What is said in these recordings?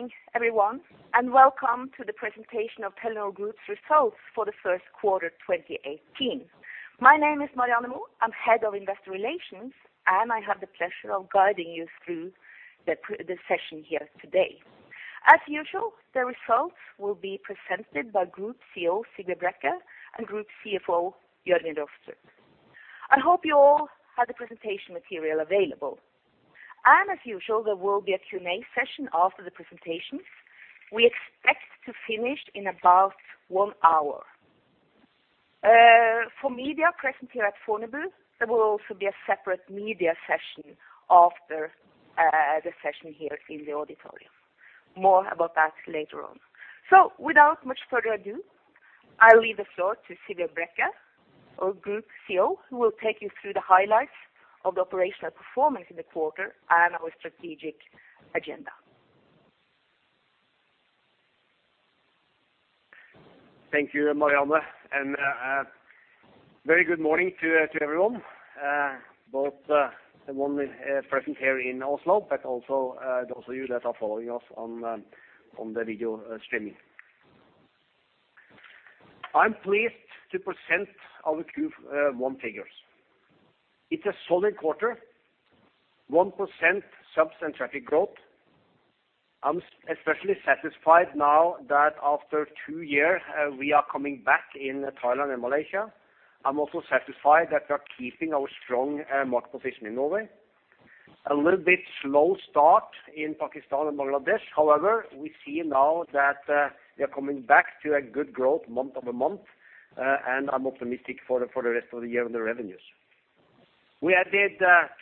Good morning, everyone, and welcome to the presentation of Telenor Group's results for the first quarter, 2018. My name is Marianne Moe. I'm head of Investor Relations, and I have the pleasure of guiding you through the session here today. As usual, the results will be presented by Group CEO, Sigve Brekke, and Group CFO, Jørgen Rostrup. I hope you all have the presentation material available. And as usual, there will be a Q&A session after the presentations. We expect to finish in about one hour. For media present here at Fornebu, there will also be a separate media session after the session here in the auditorium. More about that later on. So without much further ado, I leave the floor to Sigve Brekke, our Group CEO, who will take you through the highlights of the operational performance in the quarter and our strategic agenda. Thank you, Marianne, and a very good morning to everyone, both the one present here in Oslo, but also those of you that are following us on the video streaming. I'm pleased to present our Q1 figures. It's a solid quarter, 1% subs and traffic growth. I'm especially satisfied now that after two years we are coming back in Thailand and Malaysia. I'm also satisfied that we are keeping our strong market position in Norway. A little bit slow start in Pakistan and Bangladesh. However, we see now that we are coming back to a good growth month-over-month, and I'm optimistic for the rest of the year on the revenues. We added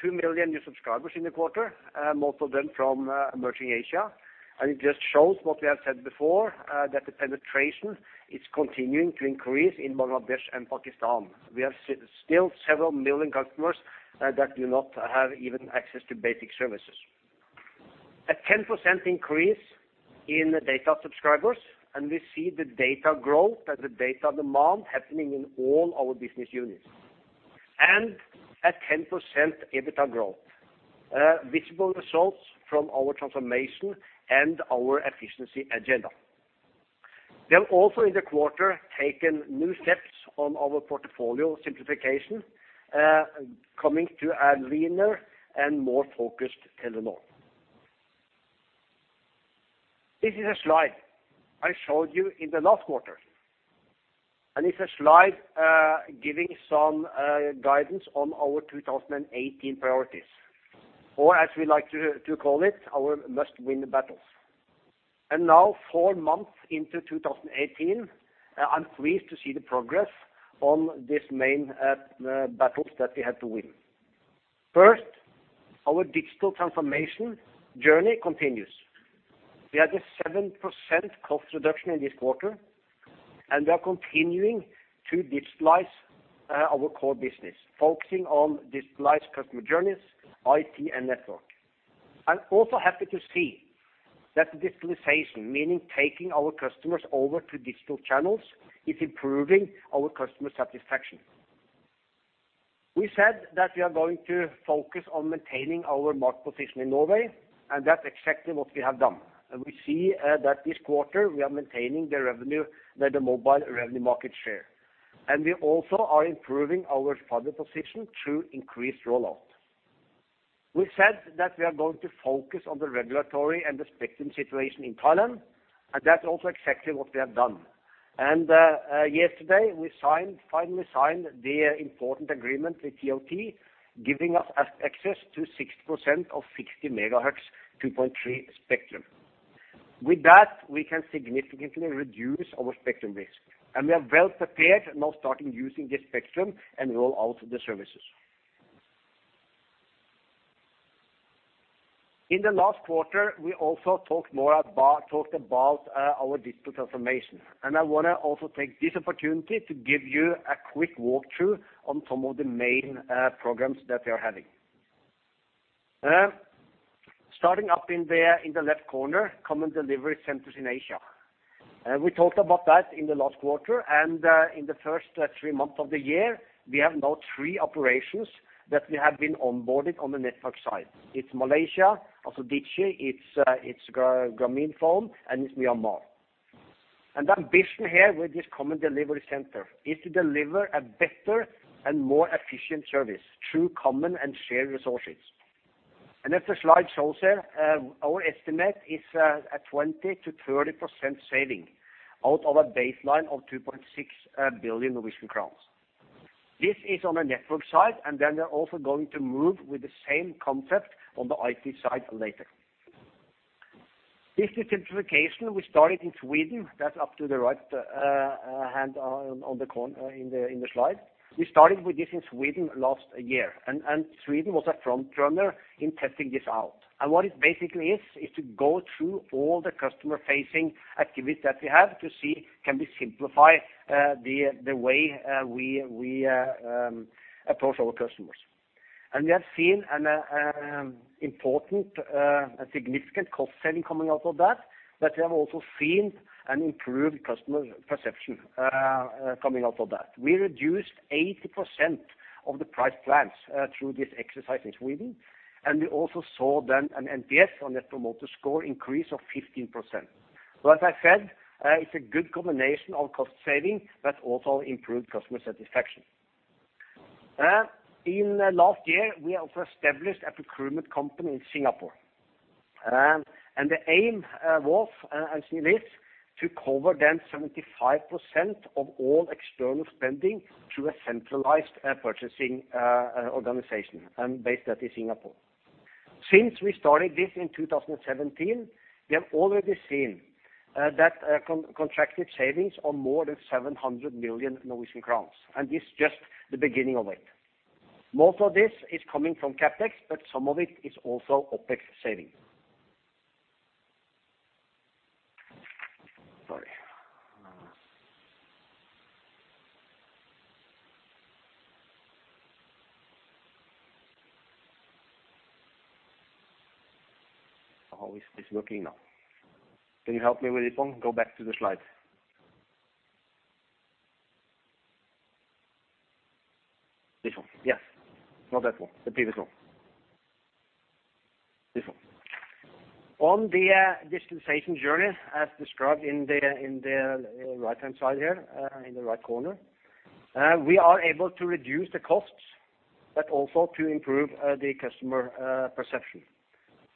2 million new subscribers in the quarter, most of them from Emerging Asia, and it just shows what we have said before, that the penetration is continuing to increase in Bangladesh and Pakistan. We have still several million customers that do not have even access to basic services. A 10% increase in data subscribers, and we see the data growth and the data demand happening in all our business units. And a 10% EBITDA growth, visible results from our transformation and our efficiency agenda. We have also, in the quarter, taken new steps on our portfolio simplification, coming to a leaner and more focused Telenor. This is a slide I showed you in the last quarter, and it's a slide, giving some guidance on our 2018 priorities, or as we like to, to call it, our must-win battles. Now, four months into 2018, I'm pleased to see the progress on these main battles that we have to win. First, our digital transformation journey continues. We had a 7% cost reduction in this quarter, and we are continuing to digitalize our core business, focusing on digitalized customer journeys, IT, and network. I'm also happy to see that the digitalization, meaning taking our customers over to digital channels, is improving our customer satisfaction. We said that we are going to focus on maintaining our market position in Norway, and that's exactly what we have done. We see that this quarter, we are maintaining the revenue, the mobile revenue market share, and we also are improving our product position through increased rollout. We said that we are going to focus on the regulatory and the spectrum situation in Thailand, and that's also exactly what we have done. Yesterday, we finally signed the important agreement with TOT, giving us access to 60% of 60 MHz 2.3 spectrum. With that, we can significantly reduce our spectrum risk, and we are well prepared now starting using this spectrum and roll out the services. In the last quarter, we also talked more about our digital transformation, and I wanna also take this opportunity to give you a quick walkthrough on some of the main programs that we are having. Starting up in the left corner, common delivery centers in Asia. We talked about that in the last quarter, and in the first three months of the year, we have now three operations that we have been onboarding on the network side. It's Malaysia, also Digi, it's Grameenphone, and it's Myanmar. And the ambition here with this common delivery center is to deliver a better and more efficient service through common and shared resources. And as the slide shows there, our estimate is a 20%-30% saving out of a baseline of 2.6 billion Norwegian crowns. This is on the network side, and then we're also going to move with the same concept on the IT side later. Business simplification, we started in Sweden. That's up to the right-hand corner in the slide. We started with this in Sweden last year, and Sweden was a front runner in testing this out. And what it basically is is to go through all the customer-facing activity that we have to see, can we simplify the way we approach our customers? And we have seen a significant cost saving coming out of that... but we have also seen an improved customer perception coming out of that. We reduced 80% of the price plans through this exercise in Sweden, and we also saw then an NPS, or Net Promoter Score, increase of 15%. So as I said, it's a good combination of cost saving, but also improved customer satisfaction. In the last year, we have established a procurement company in Singapore. The aim was, as it is, to cover 75% of all external spending through a centralized purchasing organization, and based at Singapore. Since we started this in 2017, we have already seen that contracted savings of more than 700 million Norwegian crowns, and this is just the beginning of it. Most of this is coming from CapEx, but some of it is also OpEx savings. Sorry. Oh, it's working now. Can you help me with this one? Go back to the slide. This one, yes. Not that one, the previous one. This one. On the digitization journey, as described in the right-hand side here, in the right corner, we are able to reduce the costs, but also to improve the customer perception.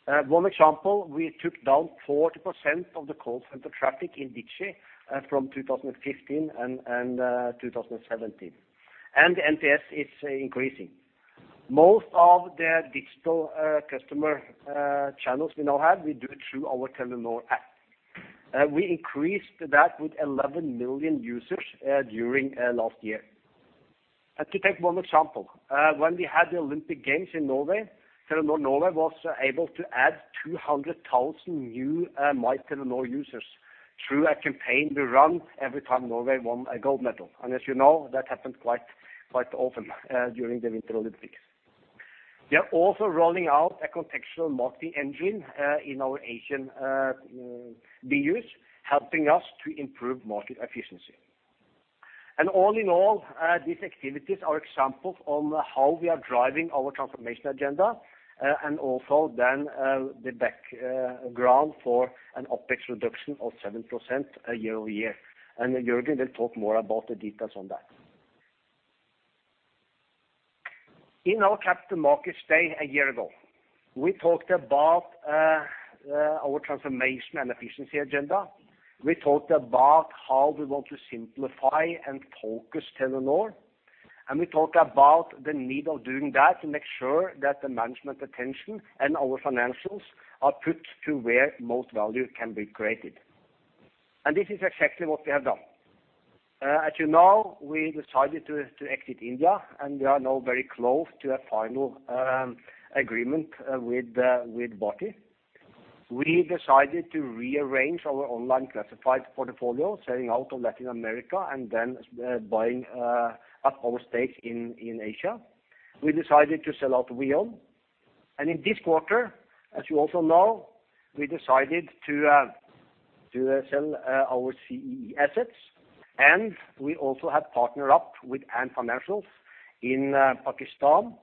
One example, we took down 40% of the call center traffic in Digi from 2015 and 2017, and the NPS is increasing. Most of the digital customer channels we now have, we do it through our Telenor app. We increased that with 11 million users during last year. And to take one example, when we had the Olympic Games in Norway, Telenor Norway was able to add 200,000 new MyTelenor users through a campaign we run every time Norway won a gold medal. As you know, that happened quite, quite often during the Winter Olympics. We are also rolling out a contextual multi-engine in our Asian BUs, helping us to improve market efficiency. All in all, these activities are examples on how we are driving our transformation agenda, and also then the background for an OpEx reduction of 7% year-over-year. Jørgen will talk more about the details on that. In our capital markets day a year ago, we talked about our transformation and efficiency agenda. We talked about how we want to simplify and focus Telenor, and we talked about the need of doing that to make sure that the management attention and our financials are put to where most value can be created. This is exactly what we have done. As you know, we decided to exit India, and we are now very close to a final agreement with Bharti. We decided to rearrange our online classified portfolio, selling out of Latin America and then buying up our stake in Asia. We decided to sell out VEON. And in this quarter, as you also know, we decided to sell our CEE assets, and we also have partnered up with Ant Financial in Pakistan,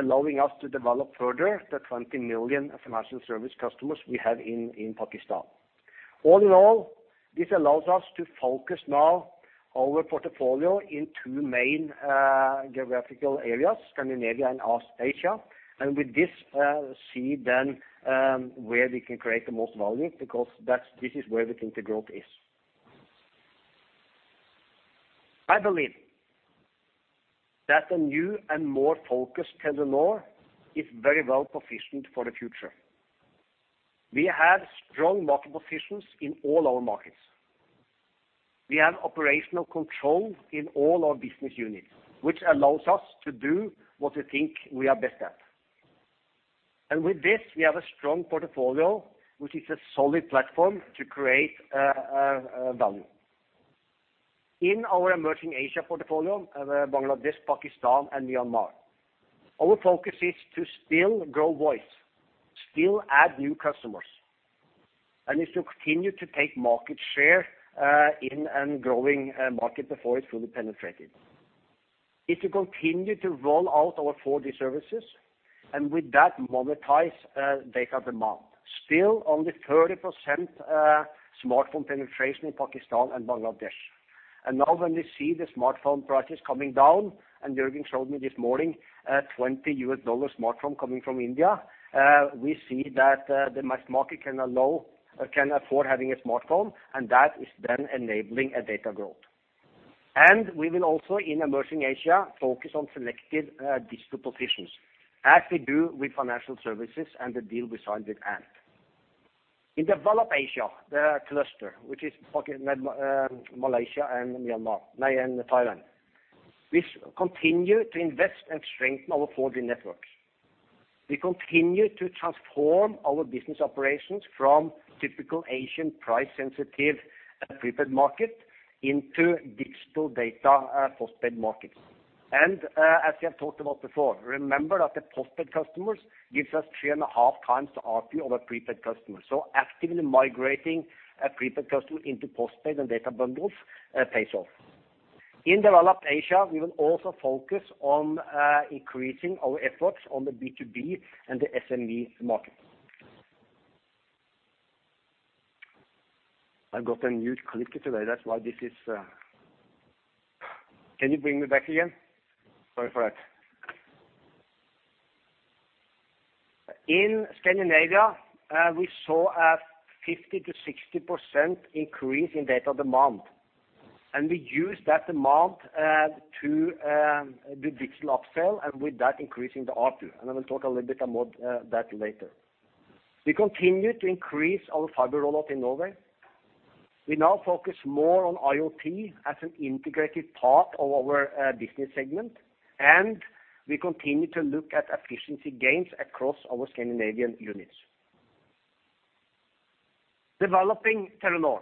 allowing us to develop further the 20 million financial service customers we have in Pakistan. All in all, this allows us to focus now our portfolio in two main geographical areas, Scandinavia and East Asia, and with this, where we can create the most value, because that's, this is where we think the growth is. I believe that the new and more focused Telenor is very well positioned for the future. We have strong market positions in all our markets. We have operational control in all our business units, which allows us to do what we think we are best at. And with this, we have a strong portfolio, which is a solid platform to create value. In our Emerging Asia portfolio, Bangladesh, Pakistan, and Myanmar, our focus is to still grow voice, still add new customers, and is to continue to take market share in a growing market before it's fully penetrated. It will continue to roll out our 4G services, and with that, monetize data demand. Still only 30% smartphone penetration in Pakistan and Bangladesh. And now when we see the smartphone prices coming down, and Jørgen showed me this morning, a $20 smartphone coming from India, we see that, the mass market can allow-- can afford having a smartphone, and that is then enabling a data growth. And we will also, in Emerging Asia, focus on selective, digital positions, as we do with financial services and the deal we signed with Ant. In Developed Asia, the cluster, which is Pakistan, Malaysia and Myanmar, and Thailand, we continue to invest and strengthen our 4G networks. We continue to transform our business operations from typical Asian price-sensitive prepaid market into digital data, postpaid markets. And, as we have talked about before, remember that the postpaid customers gives us 3.5 times the ARPU of a prepaid customer. So actively migrating a prepaid customer into postpaid and data bundles, pays off. In Developed Asia, we will also focus on, increasing our efforts on the B2B and the SMB market. I've got a new clicker today, that's why this is. Can you bring me back again? Sorry for that. In Scandinavia, we saw a 50%-60% increase in data demand, and we used that demand, to, do digital upsell, and with that, increasing the ARPU. I will talk a little bit about, that later. We continue to increase our fiber rollout in Norway. We now focus more on IoT as an integrated part of our, business segment, and we continue to look at efficiency gains across our Scandinavian units. Developing Telenor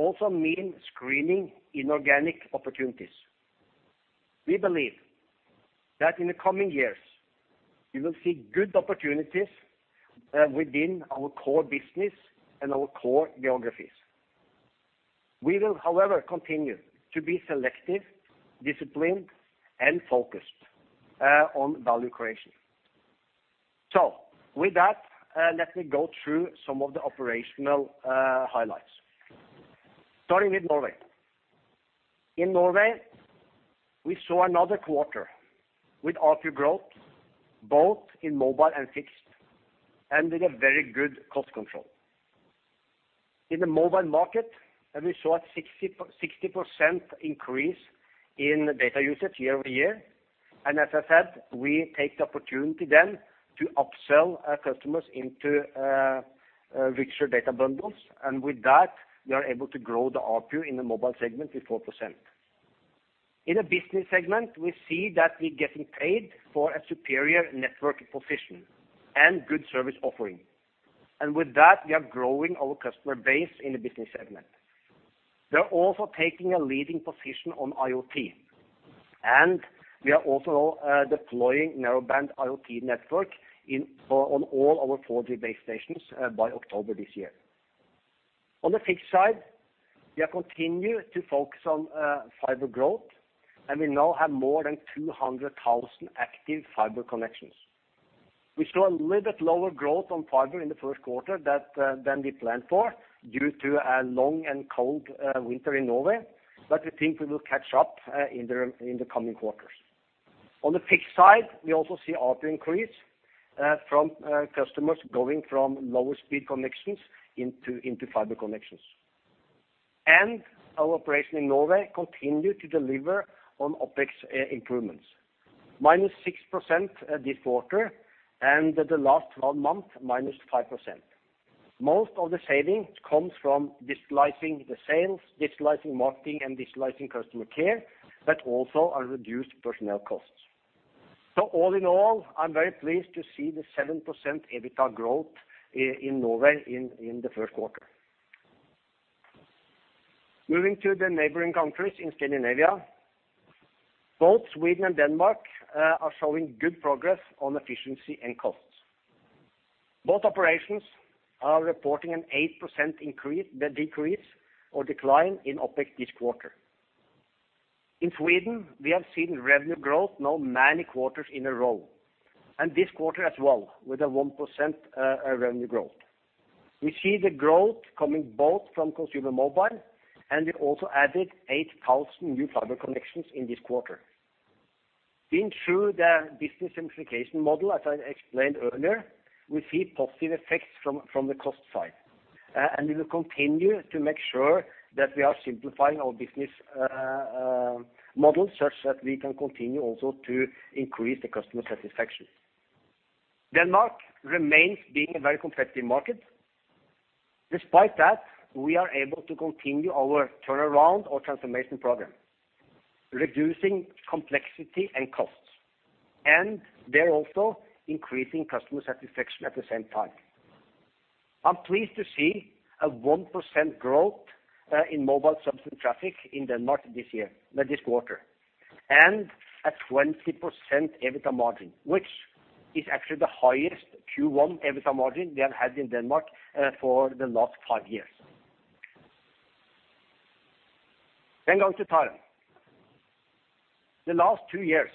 also mean screening inorganic opportunities. We believe that in the coming years, we will see good opportunities within our core business and our core geographies. We will, however, continue to be selective, disciplined, and focused on value creation. So with that, let me go through some of the operational highlights. Starting with Norway. In Norway, we saw another quarter with ARPU growth, both in mobile and fixed, and with a very good cost control. In the mobile market, we saw a 60% increase in data usage year-over-year, and as I said, we take the opportunity then to upsell our customers into richer data bundles, and with that, we are able to grow the ARPU in the mobile segment to 4%. In the business segment, we see that we're getting paid for a superior network position and good service offering. And with that, we are growing our customer base in the business segment. We are also taking a leading position on IoT, and we are also deploying Narrowband IoT network in, on all our 4G base stations by October this year. On the fixed side, we are continue to focus on fiber growth, and we now have more than 200,000 active fiber connections. We saw a little bit lower growth on fiber in the first quarter that than we planned for, due to a long and cold winter in Norway, but we think we will catch up in the, in the coming quarters. On the fixed side, we also see ARPU increase from customers going from lower speed connections into, into fiber connections. Our operation in Norway continued to deliver on OpEx improvements, -6% this quarter, and the last month, -5%. Most of the savings comes from digitalizing the sales, digitalizing marketing, and digitalizing customer care, but also our reduced personnel costs. So all in all, I'm very pleased to see the 7% EBITDA growth in Norway in the first quarter. Moving to the neighboring countries in Scandinavia, both Sweden and Denmark are showing good progress on efficiency and costs. Both operations are reporting an 8% decrease or decline in OpEx this quarter. In Sweden, we have seen revenue growth now many quarters in a row, and this quarter as well, with a 1% revenue growth. We see the growth coming both from consumer mobile, and we also added 8,000 new fiber connections in this quarter. Being true, the business simplification model, as I explained earlier, we see positive effects from, from the cost side. And we will continue to make sure that we are simplifying our business model, such that we can continue also to increase the customer satisfaction. Denmark remains being a very competitive market. Despite that, we are able to continue our turnaround or transformation program, reducing complexity and costs, and they're also increasing customer satisfaction at the same time. I'm pleased to see a 1% growth in mobile subsidy traffic in Denmark this year, this quarter, and a 20% EBITDA margin, which is actually the highest Q1 EBITDA margin we have had in Denmark for the last five years. Then going to Thailand. The last two years,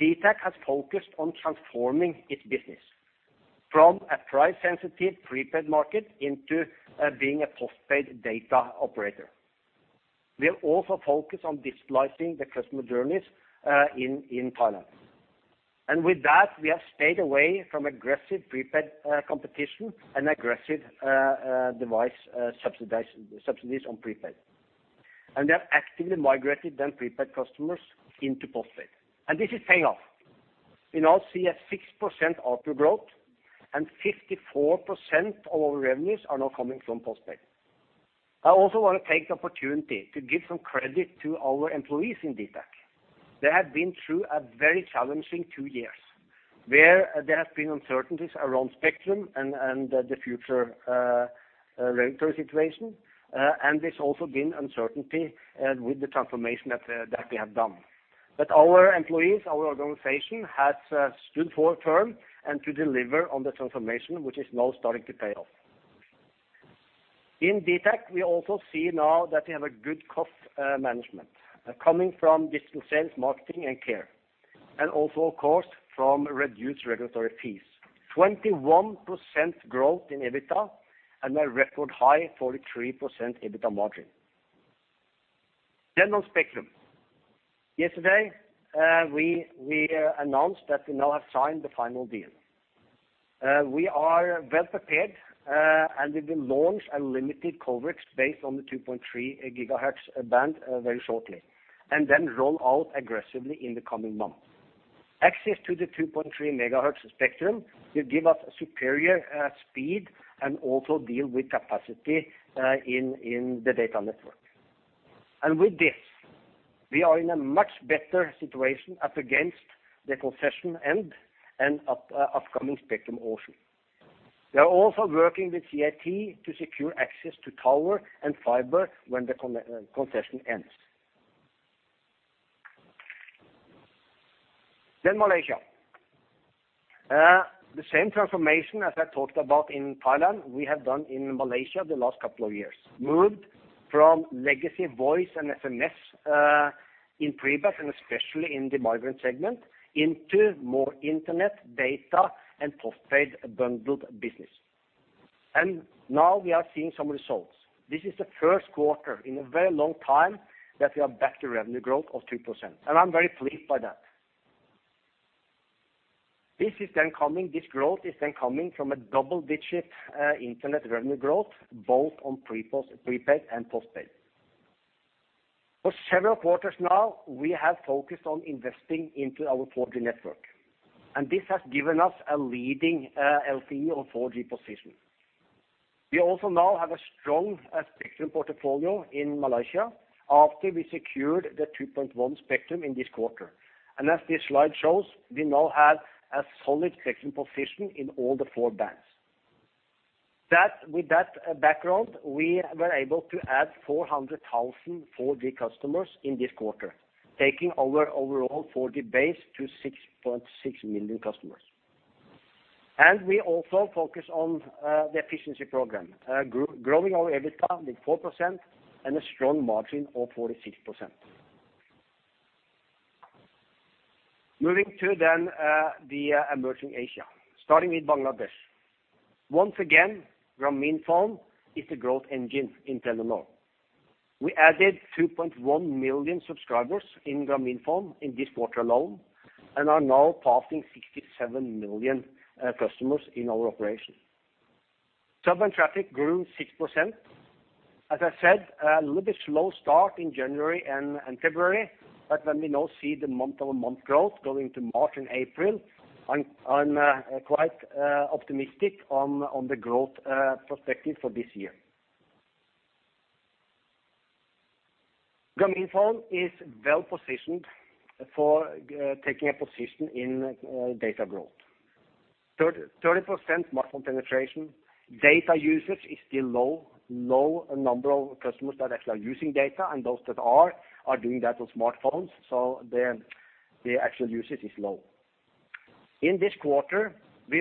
dtac has focused on transforming its business from a price-sensitive prepaid market into being a postpaid data operator. We are also focused on digitalizing the customer journeys in Thailand. And with that, we have stayed away from aggressive prepaid competition and aggressive device subsidization, subsidies on prepaid. And they have actively migrated them prepaid customers into postpaid. And this is paying off. We now see a 6% ARPU growth, and 54% of our revenues are now coming from postpaid. I also want to take the opportunity to give some credit to our employees in dtac. They have been through a very challenging two years... where there have been uncertainties around spectrum and the future regulatory situation, and there's also been uncertainty with the transformation that we have done. But our employees, our organization, has stood firm and to deliver on the transformation, which is now starting to pay off. In dtac, we also see now that we have a good cost management, coming from digital sales, marketing, and care, and also, of course, from reduced regulatory fees. 21% growth in EBITDA and a record high 43% EBITDA margin. Then on spectrum. Yesterday, we announced that we now have signed the final deal. We are well prepared, and we will launch a limited coverage based on the 2.3 GHz band very shortly, and then roll out aggressively in the coming months. Access to the 2.3 GHz spectrum will give us superior speed and also deal with capacity in the data network. With this, we are in a much better situation up against the concession end and upcoming spectrum auction. We are also working with CAT to secure access to tower and fiber when the concession ends. Then Malaysia. The same transformation as I talked about in Thailand, we have done in Malaysia the last couple of years. Moved from legacy voice and SMS in prepaid, and especially in the migrant segment, into more internet, data, and postpaid bundled business. And now we are seeing some results. This is the first quarter in a very long time that we are back to revenue growth of 2%, and I'm very pleased by that. This is then coming, this growth is then coming from a double-digit internet revenue growth, both on prepaid and postpaid. For several quarters now, we have focused on investing into our 4G network, and this has given us a leading LTE on 4G position. We also now have a strong spectrum portfolio in Malaysia, after we secured the 2.1 spectrum in this quarter. And as this slide shows, we now have a solid spectrum position in all the four bands. That, with that background, we were able to add 400,000 4G customers in this quarter, taking our overall 4G base to 6.6 million customers. And we also focus on the efficiency program, growing our EBITDA with 4% and a strong margin of 46%. Moving to then the Emerging Asia, starting with Bangladesh. Once again, Grameenphone is the growth engine in Telenor. We added 2.1 million subscribers in Grameenphone in this quarter alone and are now passing 67 million customers in our operation. Data traffic grew 6%. As I said, a little bit slow start in January and February, but when we now see the month-over-month growth going to March and April, I'm quite optimistic on the growth perspective for this year. Grameenphone is well positioned for taking a position in data growth. 30% smartphone penetration, data usage is still low, low number of customers that actually are using data, and those that are, are doing that on smartphones, so the actual usage is low. In this quarter, we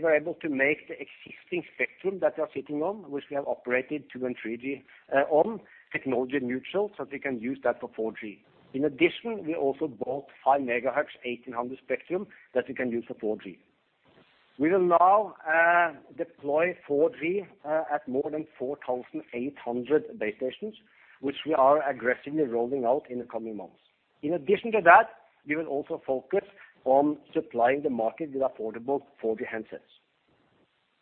were able to make the existing spectrum that we are sitting on, which we have operated 2G and 3G on, technology neutral, so we can use that for 4G. In addition, we also bought 5 MHz 1800 spectrum that we can use for 4G. We will now deploy 4G at more than 4,800 base stations, which we are aggressively rolling out in the coming months. In addition to that, we will also focus on supplying the market with affordable 4G handsets.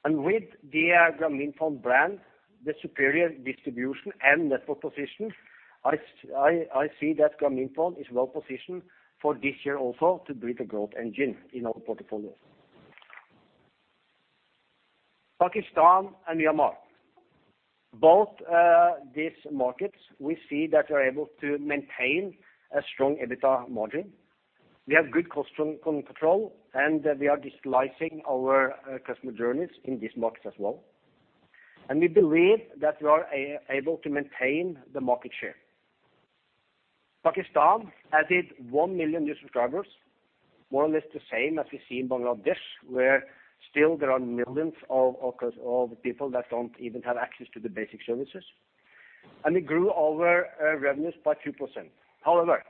And with the Grameenphone brand, the superior distribution and network position, I see that Grameenphone is well positioned for this year also to be the growth engine in our portfolio. Pakistan and Myanmar. Both these markets, we see that we are able to maintain a strong EBITDA margin. We have good cost control, and we are digitizing our customer journeys in this market as well. We believe that we are able to maintain the market share. Pakistan added 1 million new subscribers, more or less the same as we see in Bangladesh, where still there are millions of people, of course, that don't even have access to the basic services. We grew our revenues by 2%. However,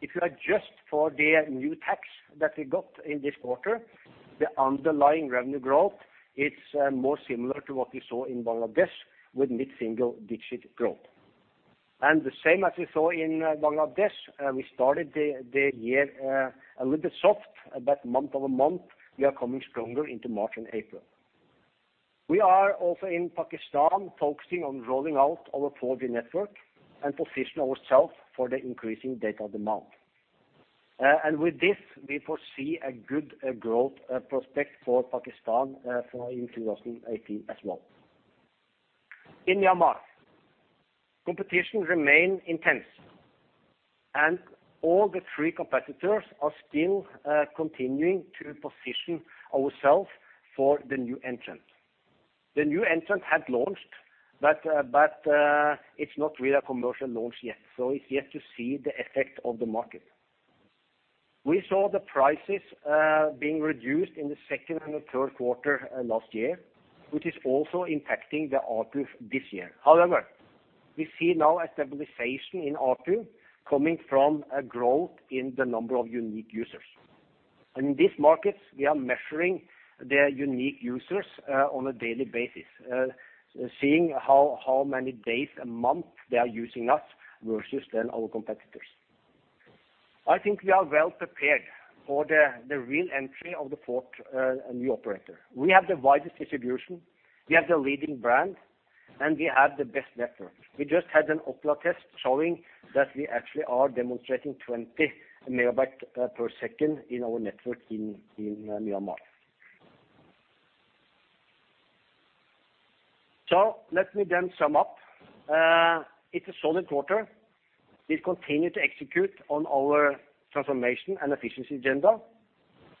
if you adjust for the new tax that we got in this quarter, the underlying revenue growth is more similar to what we saw in Bangladesh, with mid-single-digit growth. The same as we saw in Bangladesh, we started the year a little bit soft, but month-over-month, we are coming stronger into March and April. We are also in Pakistan, focusing on rolling out our 4G network and position ourselves for the increasing data demand. And with this, we foresee a good growth prospect for Pakistan for in 2018 as well. In Myanmar, competition remain intense, and all the three competitors are still continuing to position ourselves for the new entrant. The new entrant had launched, but it's not really a commercial launch yet, so it's yet to see the effect of the market. We saw the prices being reduced in the second and the third quarter last year, which is also impacting the ARPU this year. However, we see now a stabilization in ARPU coming from a growth in the number of unique users. In these markets, we are measuring their unique users on a daily basis, seeing how many days a month they are using us versus then our competitors. I think we are well prepared for the real entry of the fourth new operator. We have the widest distribution, we have the leading brand, and we have the best network. We just had an Ookla test showing that we actually are demonstrating 20 Mbps in our network in Myanmar. So let me then sum up. It's a solid quarter. We've continued to execute on our transformation and efficiency agenda,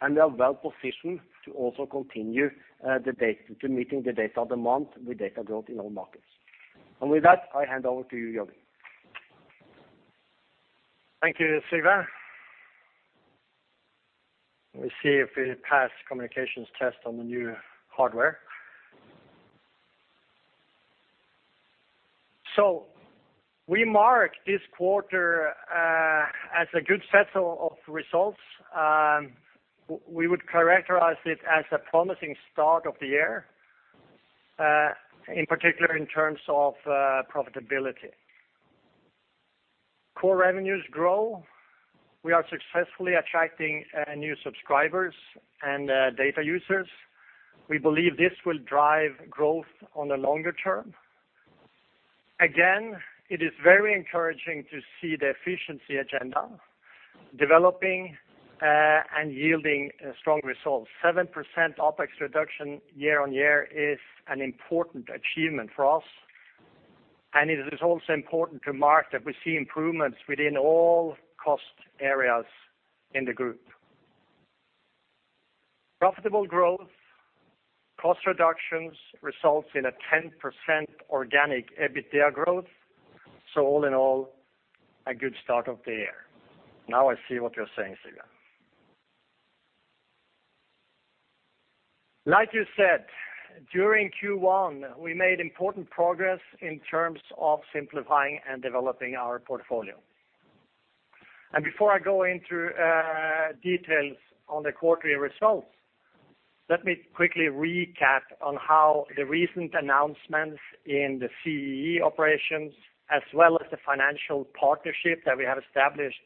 and we are well positioned to also continue the data to meeting the data demand with data growth in all markets. And with that, I hand over to you, Jørgen. Thank you, Sigve. Let me see if we pass communications test on the new hardware. So we mark this quarter as a good set of results. We would characterize it as a promising start of the year, in particular in terms of profitability. Core revenues grow. We are successfully attracting new subscribers and data users. We believe this will drive growth on the longer term. Again, it is very encouraging to see the efficiency agenda developing and yielding strong results. 7% OpEx reduction year-over-year is an important achievement for us, and it is also important to mark that we see improvements within all cost areas in the group. Profitable growth, cost reductions, results in a 10% organic EBITDA growth, so all in all, a good start of the year. Now I see what you're saying, Sigve. Like you said, during Q1, we made important progress in terms of simplifying and developing our portfolio. Before I go into details on the quarterly results, let me quickly recap on how the recent announcements in the CEE operations, as well as the financial partnership that we have established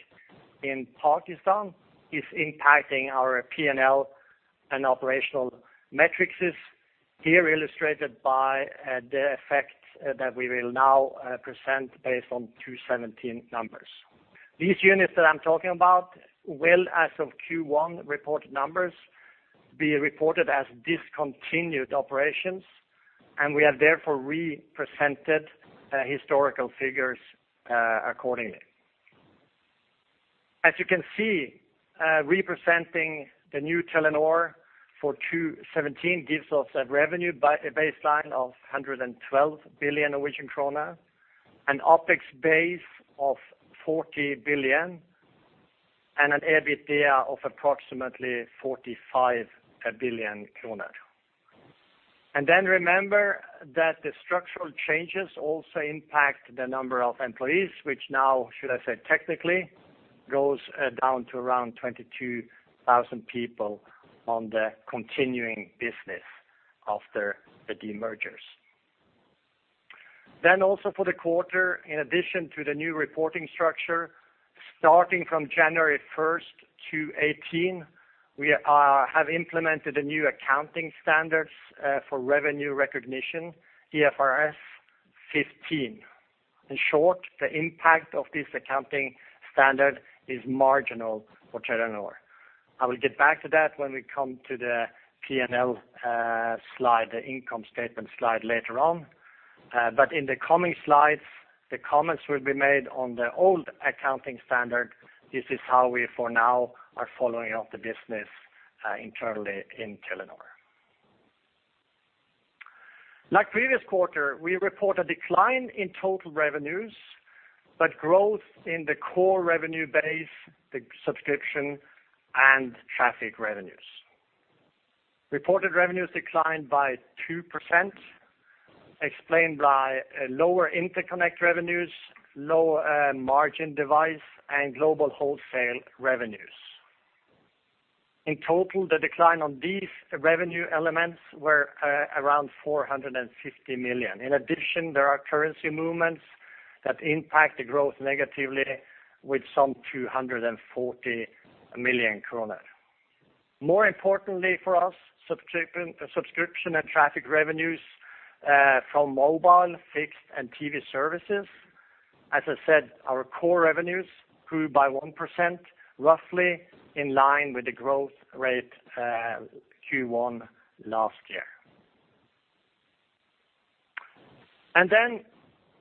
in Pakistan, is impacting our P&L and operational metrics. Here illustrated by the effect that we will now present based on 2017 numbers. These units that I'm talking about will, as of Q1, report numbers, be reported as discontinued operations, and we have therefore represented historical figures accordingly. As you can see, representing the new Telenor for 2017 gives us a revenue baseline of 112 billion Norwegian krone, an OpEx base of 40 billion, and an EBITDA of approximately 45 billion krone. Then remember that the structural changes also impact the number of employees, which now, should I say technically, goes down to around 22,000 people on the continuing business after the demergers. Then also for the quarter, in addition to the new reporting structure, starting from January 1, 2018, we have implemented a new accounting standards for revenue recognition, IFRS 15. In short, the impact of this accounting standard is marginal for Telenor. I will get back to that when we come to the P&L slide, the income statement slide later on. But in the coming slides, the comments will be made on the old accounting standard. This is how we, for now, are following up the business internally in Telenor. Like previous quarter, we report a decline in total revenues, but growth in the core revenue base, the subscription and traffic revenues. Reported revenues declined by 2%, explained by lower interconnect revenues, low margin device, and global wholesale revenues. In total, the decline on these revenue elements were around 450 million. In addition, there are currency movements that impact the growth negatively with some 240 million kroner. More importantly for us, subscription and traffic revenues from mobile, fixed, and TV services—as I said, our core revenues grew by 1%, roughly in line with the growth rate Q1 last year. And then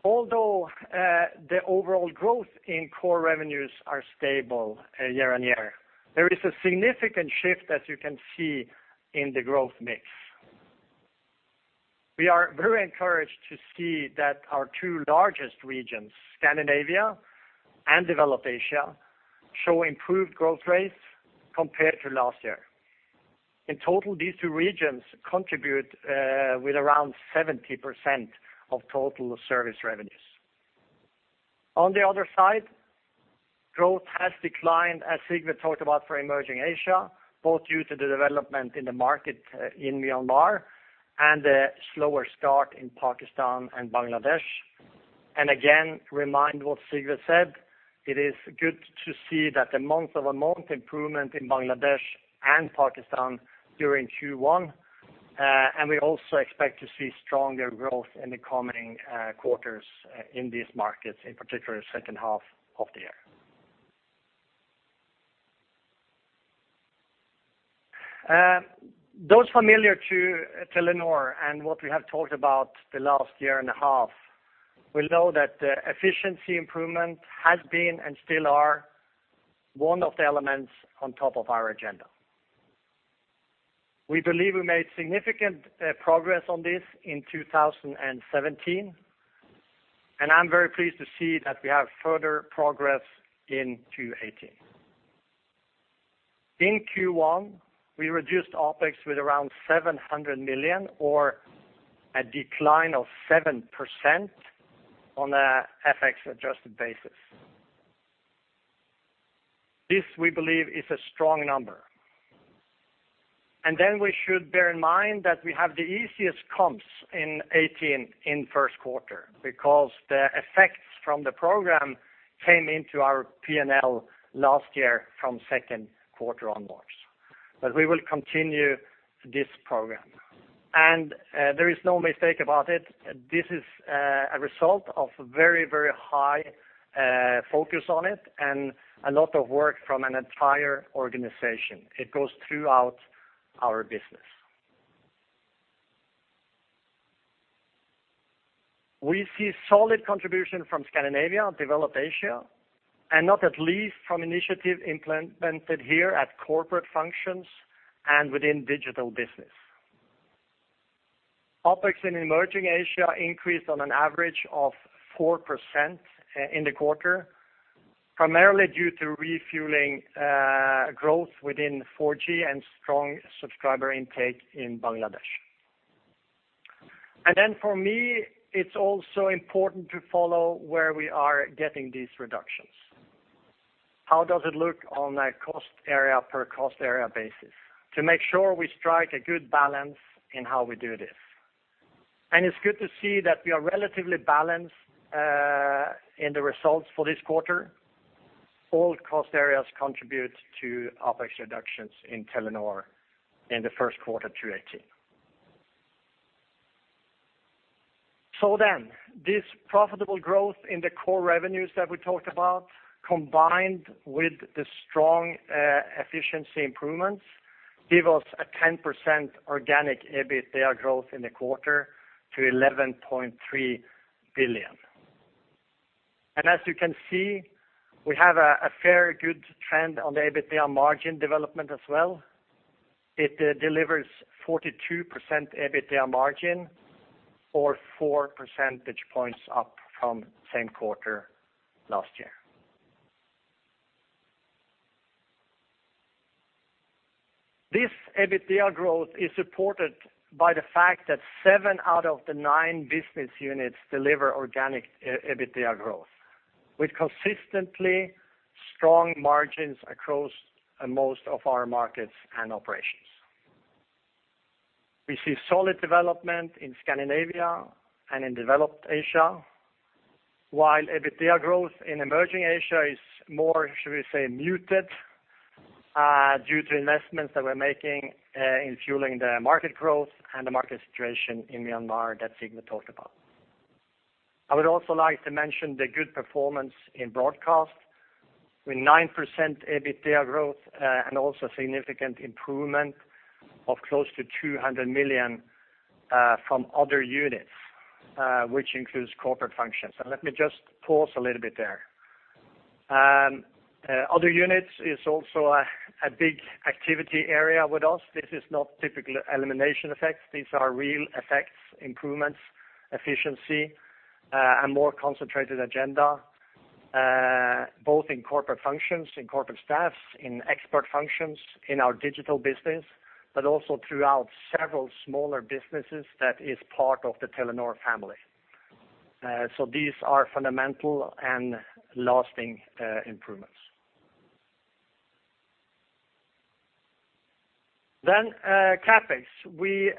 although the overall growth in core revenues are stable year-on-year, there is a significant shift, as you can see, in the growth mix. We are very encouraged to see that our two largest regions, Scandinavia and Developed Asia, show improved growth rates compared to last year. In total, these two regions contribute with around 70% of total service revenues. On the other side, growth has declined, as Sigve talked about for Emerging Asia, both due to the development in the market in Myanmar and a slower start in Pakistan and Bangladesh. And again, remind what Sigve said, it is good to see that the month-over-month improvement in Bangladesh and Pakistan during Q1, and we also expect to see stronger growth in the coming quarters in these markets, in particular, second half of the year. Those familiar to Telenor and what we have talked about the last year and a half will know that the efficiency improvement has been, and still are, one of the elements on top of our agenda. We believe we made significant progress on this in 2017, and I'm very pleased to see that we have further progress in 2018. In Q1, we reduced OpEx with around 700 million or a decline of 7% on a FX adjusted basis. This, we believe, is a strong number. And then we should bear in mind that we have the easiest comps in 2018 in first quarter, because the effects from the program came into our P&L last year from second quarter onwards. But we will continue this program. There is no mistake about it, this is a result of very, very high focus on it and a lot of work from an entire organization. It goes throughout our business. We see solid contribution from Scandinavia, Developed Asia, and not least from initiative implemented here at corporate functions and within digital business. OpEx in Emerging Asia increased on an average of 4% in the quarter, primarily due to fueling growth within 4G and strong subscriber intake in Bangladesh. Then for me, it's also important to follow where we are getting these reductions. How does it look on a cost area per cost area basis, to make sure we strike a good balance in how we do this? It's good to see that we are relatively balanced in the results for this quarter. All cost areas contribute to OpEx reductions in Telenor in the first quarter 2018. So then, this profitable growth in the core revenues that we talked about, combined with the strong efficiency improvements, give us a 10% organic EBITDA growth in the quarter to 11.3 billion. And as you can see, we have a very good trend on the EBITDA margin development as well. It delivers 42% EBITDA margin or four percentage points up from same quarter last year. This EBITDA growth is supported by the fact that seven out of the nine business units deliver organic EBITDA growth, with consistently strong margins across most of our markets and operations. We see solid development in Scandinavia and in Developed Asia, while EBITDA growth in Emerging Asia is more, should we say, muted, due to investments that we're making, in fueling the market growth and the market situation in Myanmar that Sigve talked about. I would also like to mention the good performance in broadcast, with 9% EBITDA growth, and also significant improvement of close to 200 million, from other units, which includes corporate functions. Let me just pause a little bit there. Other units is also a big activity area with us. This is not typical elimination effects. These are real effects, improvements, efficiency, and more concentrated agenda, both in corporate functions, in corporate staffs, in expert functions, in our digital business, but also throughout several smaller businesses that is part of the Telenor family. These are fundamental and lasting improvements. CapEx. We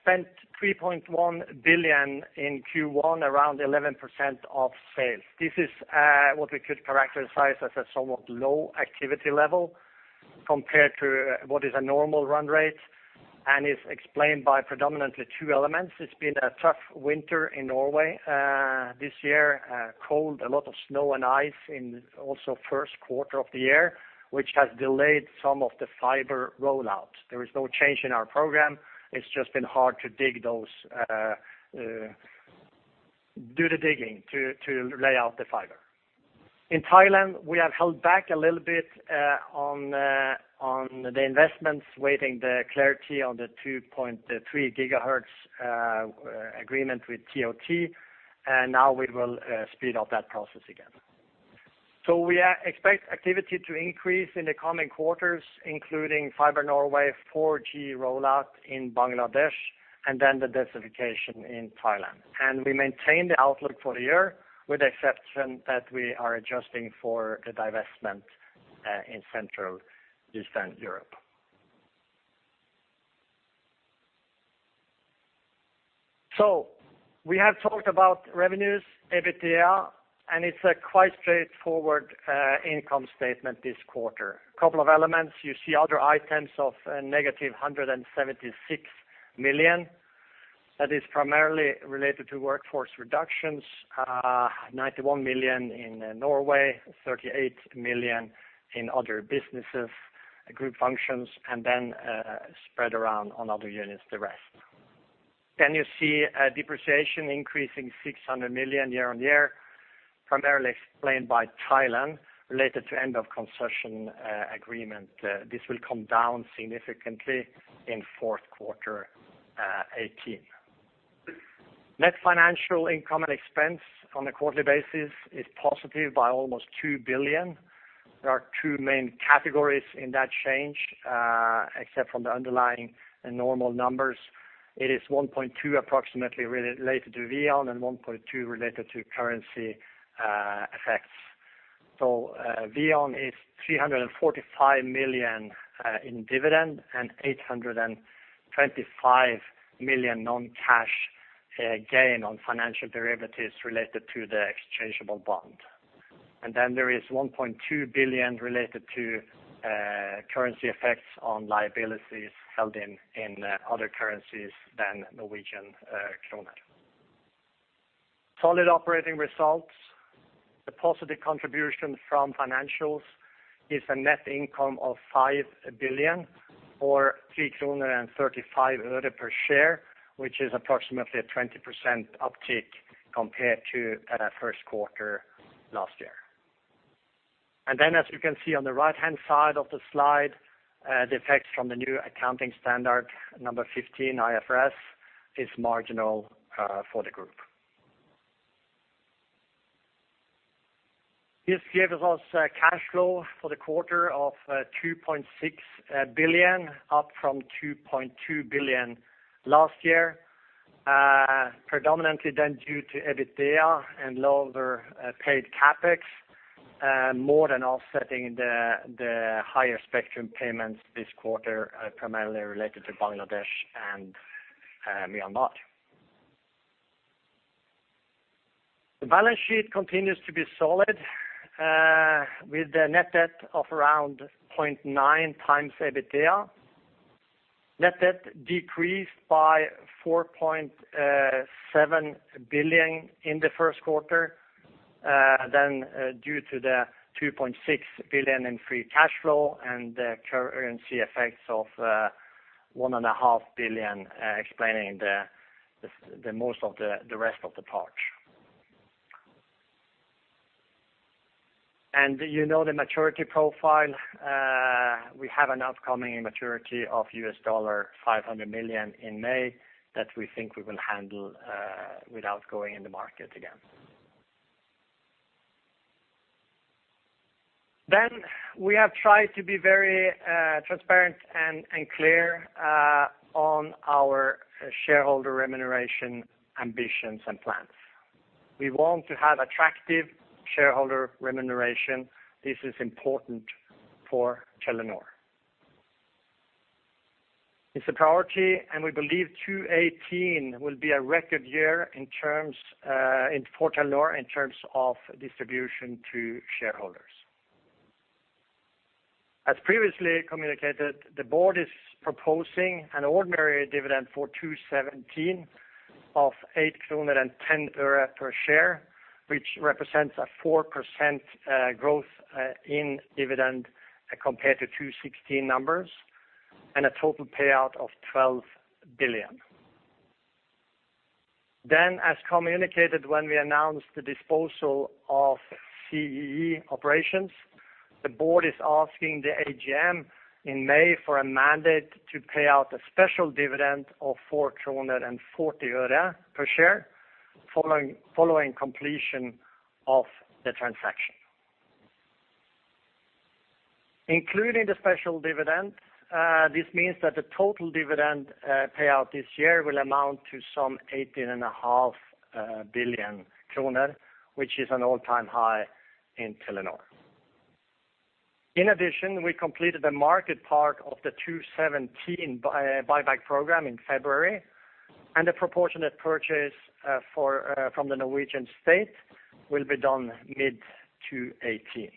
spent 3.1 billion in Q1, around 11% of sales. This is what we could characterize as a somewhat low activity level compared to what is a normal run rate, and is explained by predominantly two elements. It's been a tough winter in Norway this year, cold, a lot of snow and ice in also first quarter of the year, which has delayed some of the fiber rollouts. There is no change in our program. It's just been hard to dig those, do the digging to lay out the fiber. In Thailand, we have held back a little bit on the investments, waiting the clarity on the 2.3 GHz agreement with TOT, and now we will speed up that process again. So we expect activity to increase in the coming quarters, including fiber Norway, 4G rollout in Bangladesh, and then the densification in Thailand. And we maintain the outlook for the year, with the exception that we are adjusting for the divestment in Central Eastern Europe. So we have talked about revenues, EBITDA, and it's a quite straightforward income statement this quarter. Couple of elements, you see other items of a negative 176 million. That is primarily related to workforce reductions, 91 million in Norway, 38 million in other businesses, group functions, and then spread around on other units, the rest. Then you see a depreciation increasing 600 million year-on-year, primarily explained by Thailand, related to end of concession agreement. This will come down significantly in fourth quarter 2018. Net financial income and expense on a quarterly basis is positive by almost 2 billion. There are two main categories in that change, except from the underlying and normal numbers. It is 1.2 billion, approximately related to VEON, and 1.2 billion related to currency effects. So, VEON is 345 million in dividend, and 825 million non-cash gain on financial derivatives related to the exchangeable bond. And then there is 1.2 billion related to currency effects on liabilities held in other currencies than Norwegian kroner. Solid operating results. The positive contribution from financials is a net income of 5 billion, or 3.35 NOK per share, which is approximately a 20% uptick compared to first quarter last year. Then, as you can see on the right-hand side of the slide, the effects from the new accounting standard, IFRS 15, is marginal for the group. This gives us a cash flow for the quarter of 2.6 billion, up from 2.2 billion last year, predominantly then due to EBITDA and lower paid CapEx, more than offsetting the higher spectrum payments this quarter, primarily related to Bangladesh and Myanmar. The balance sheet continues to be solid, with the net debt of around 0.9 times EBITDA. Net debt decreased by 4.7 billion in the first quarter, then due to the 2.6 billion in free cash flow and the currency effects of 1.5 billion, explaining the most of the rest of the part. And you know the maturity profile, we have an upcoming maturity of $500 million in May, that we think we will handle without going in the market again. Then we have tried to be very transparent and clear on our shareholder remuneration ambitions and plans. We want to have attractive shareholder remuneration. This is important for Telenor. It's a priority, and we believe 2018 will be a record year in terms for Telenor, in terms of distribution to shareholders. As previously communicated, the board is proposing an ordinary dividend for 2017 of NOK 8.10 per share, which represents a 4% growth in dividend compared to 2016 numbers, and a total payout of 12 billion. Then, as communicated when we announced the disposal of CEE operations, the board is asking the AGM in May for a mandate to pay out a special dividend of NOK 4.40 per share, following completion of the transaction. Including the special dividend, this means that the total dividend payout this year will amount to some 18.5 billion kroner, which is an all-time high in Telenor. In addition, we completed the market part of the 2017 buyback program in February, and the proportionate purchase for from the Norwegian state will be done mid-2018.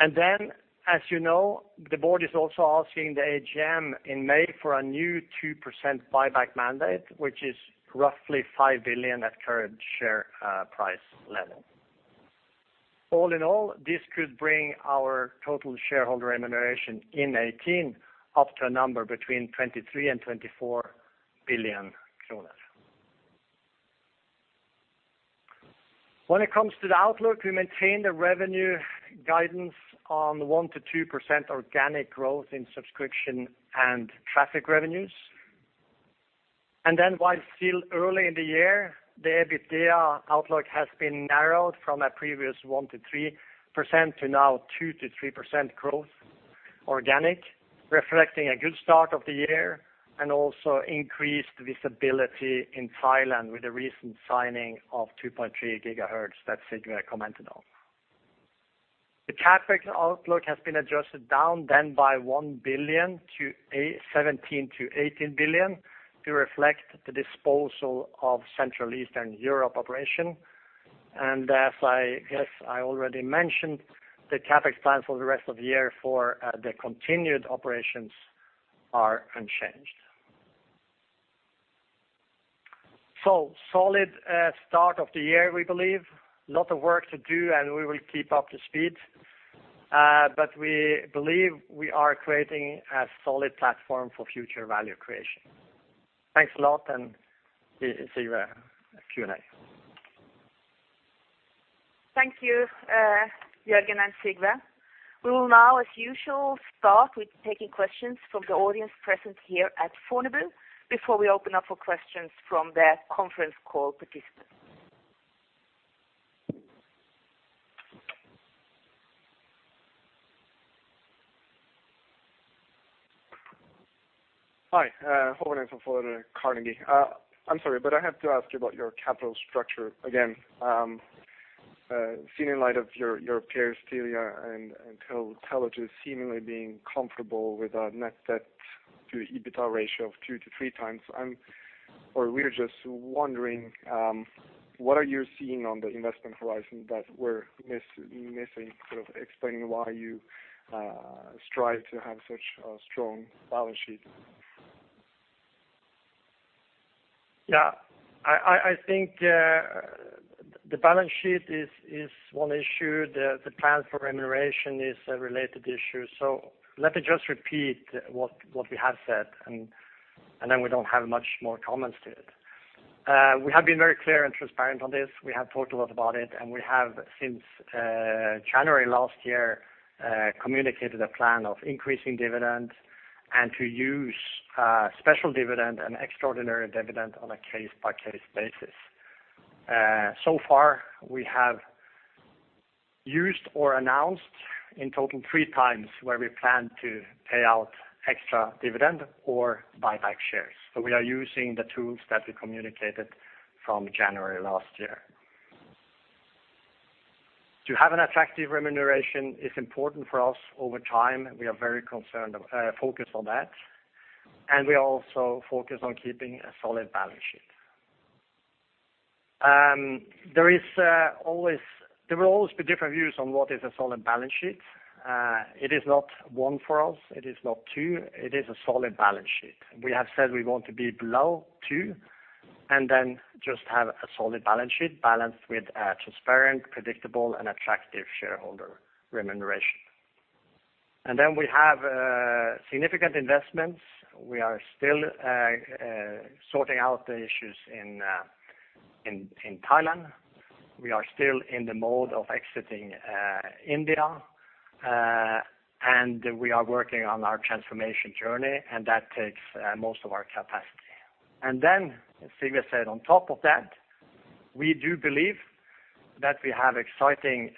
And then, as you know, the board is also asking the AGM in May for a new 2% buyback mandate, which is roughly 5 billion at current share price level. All in all, this could bring our total shareholder remuneration in 2018 up to a number between 23 billion and 24 billion kroner. When it comes to the outlook, we maintain the revenue guidance on 1%-2% organic growth in subscription and traffic revenues. And then while still early in the year, the EBITDA outlook has been narrowed from a previous 1%-3% to now 2%-3% growth organic, reflecting a good start of the year and also increased visibility in Thailand with the recent signing of 2.3 GHz that Sigve commented on. The CapEx outlook has been adjusted down, then, by 1 billion to 17 billion-18 billion to reflect the disposal of Central Eastern Europe operation. As I, yes, I already mentioned, the CapEx plans for the rest of the year for the continued operations are unchanged. Solid start of the year, we believe. Lot of work to do, and we will keep up the speed, but we believe we are creating a solid platform for future value creation. Thanks a lot, and see you at Q&A. Thank you, Jørgen and Sigve. We will now, as usual, start with taking questions from the audience present here at Fornebu before we open up for questions from the conference call participants. Hi, Hovig from Carnegie. I'm sorry, but I have to ask you about your capital structure again. Seeing in light of your, your peers, Telia and, and, and Telia seemingly being comfortable with a net debt to EBITDA ratio of two to three times, I'm or we're just wondering, what are you seeing on the investment horizon that we're missing, sort of explaining why you, strive to have such a strong balance sheet? Yeah, I think the balance sheet is one issue. The plan for remuneration is a related issue. So let me just repeat what we have said, and then we don't have much more comments to it. We have been very clear and transparent on this. We have talked a lot about it, and we have, since January last year, communicated a plan of increasing dividend and to use special dividend and extraordinary dividend on a case-by-case basis. So far, we have used or announced in total three times where we plan to pay out extra dividend or buyback shares. So we are using the tools that we communicated from January last year. To have an attractive remuneration is important for us over time, we are very concerned, focused on that, and we are also focused on keeping a solid balance sheet. There is always—there will always be different views on what is a solid balance sheet. It is not one for us, it is not two, it is a solid balance sheet. We have said we want to be below two and then just have a solid balance sheet, balanced with a transparent, predictable, and attractive shareholder remuneration. And then we have significant investments. We are still sorting out the issues in Thailand. We are still in the mode of exiting India, and we are working on our transformation journey, and that takes most of our capacity. And then, as Sigve said, on top of that, we do believe that we have exciting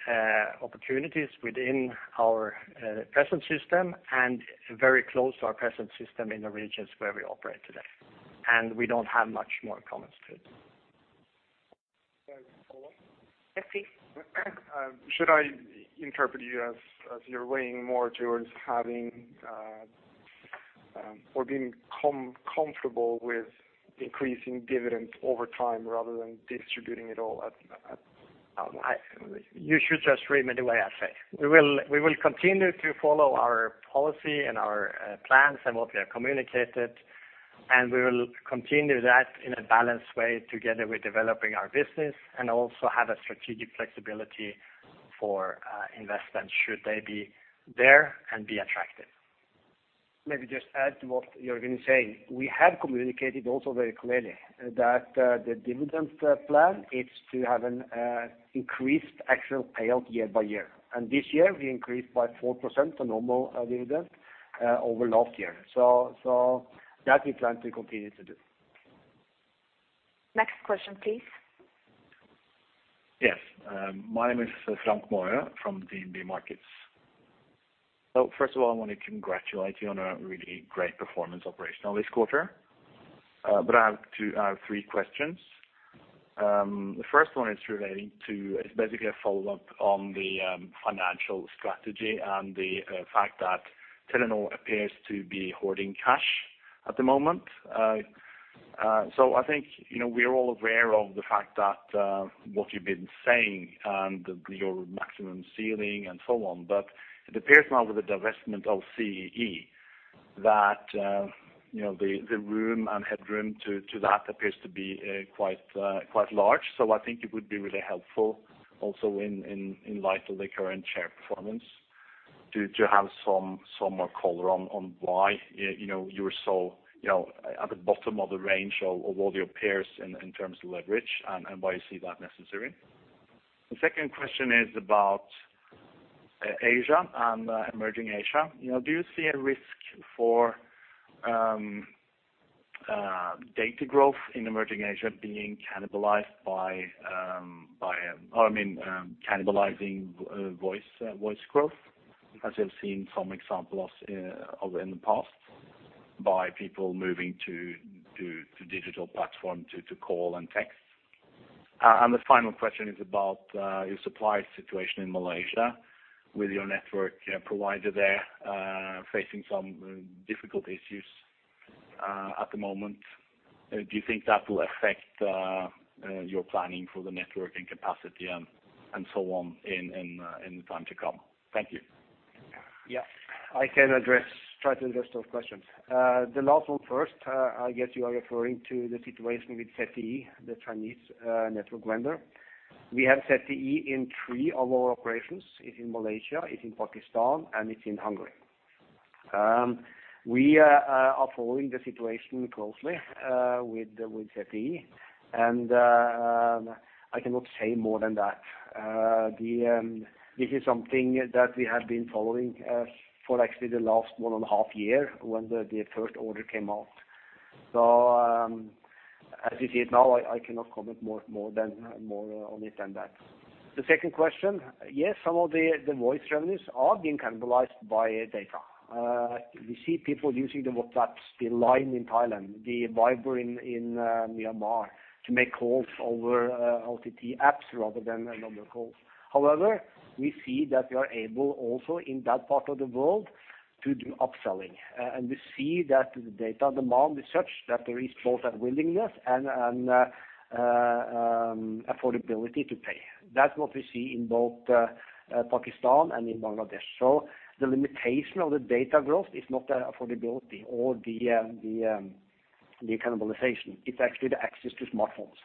opportunities within our present system and very close to our present system in the regions where we operate today, and we don't have much more comments to it. Thanks a lot. Next, please. Should I interpret you as you're weighing more towards having or being comfortable with increasing dividend over time rather than distributing it all at...? You should just read me the way I say. We will, we will continue to follow our policy and our plans and what we have communicated, and we will continue that in a balanced way together with developing our business and also have a strategic flexibility for investments should they be there and be attractive. Maybe just add to what Jørgen is saying. We have communicated also very clearly that, the dividend, plan is to have an, increased actual payout year by year. And this year, we increased by 4% the normal, dividend, over last year. So, so that we plan to continue to do. Next question, please. Yes, my name is Frank Maaø from DNB Markets. So first of all, I want to congratulate you on a really great performance operationally this quarter. But I have two, three questions. The first one is relating to, it's basically a follow-up on the financial strategy and the fact that Telenor appears to be hoarding cash at the moment. So I think, you know, we're all aware of the fact that what you've been saying and your maximum ceiling and so on. But it appears now with the divestment of CEE, that, you know, the room and headroom to that appears to be quite, quite large. So I think it would be really helpful also in light of the current share performance, to have some more color on why, you know, you are so, you know, at the bottom of the range of all your peers in terms of leverage, and why you see that necessary. The second question is about Asia and Emerging Asia. You know, do you see a risk for data growth in Emerging Asia being cannibalized by... Oh, I mean, cannibalizing voice growth? As we have seen some examples of in the past, by people moving to digital platform to call and text. And the final question is about your supply situation in Malaysia with your network provider there facing some difficult issues at the moment. Do you think that will affect your planning for the network and capacity and so on in the time to come? Thank you. Yeah, I can address, try to address those questions. The last one first, I guess you are referring to the situation with ZTE, the Chinese network vendor. We have ZTE in three of our operations. It's in Malaysia, it's in Pakistan, and it's in Hungary. We are following the situation closely with ZTE, and I cannot say more than that. This is something that we have been following for actually the last 1.5 year, when the first order came out. So, as you see it now, I cannot comment more on it than that. The second question, yes, some of the voice revenues are being cannibalized by data. We see people using the WhatsApp, the Line in Thailand, the Viber in Myanmar, to make calls over OTT apps rather than another call. However, we see that we are able also in that part of the world to do upselling. And we see that the data demand is such that there is both a willingness and affordability to pay. That's what we see in both Pakistan and in Bangladesh. So the limitation of the data growth is not the affordability or the cannibalization, it's actually the access to smartphones.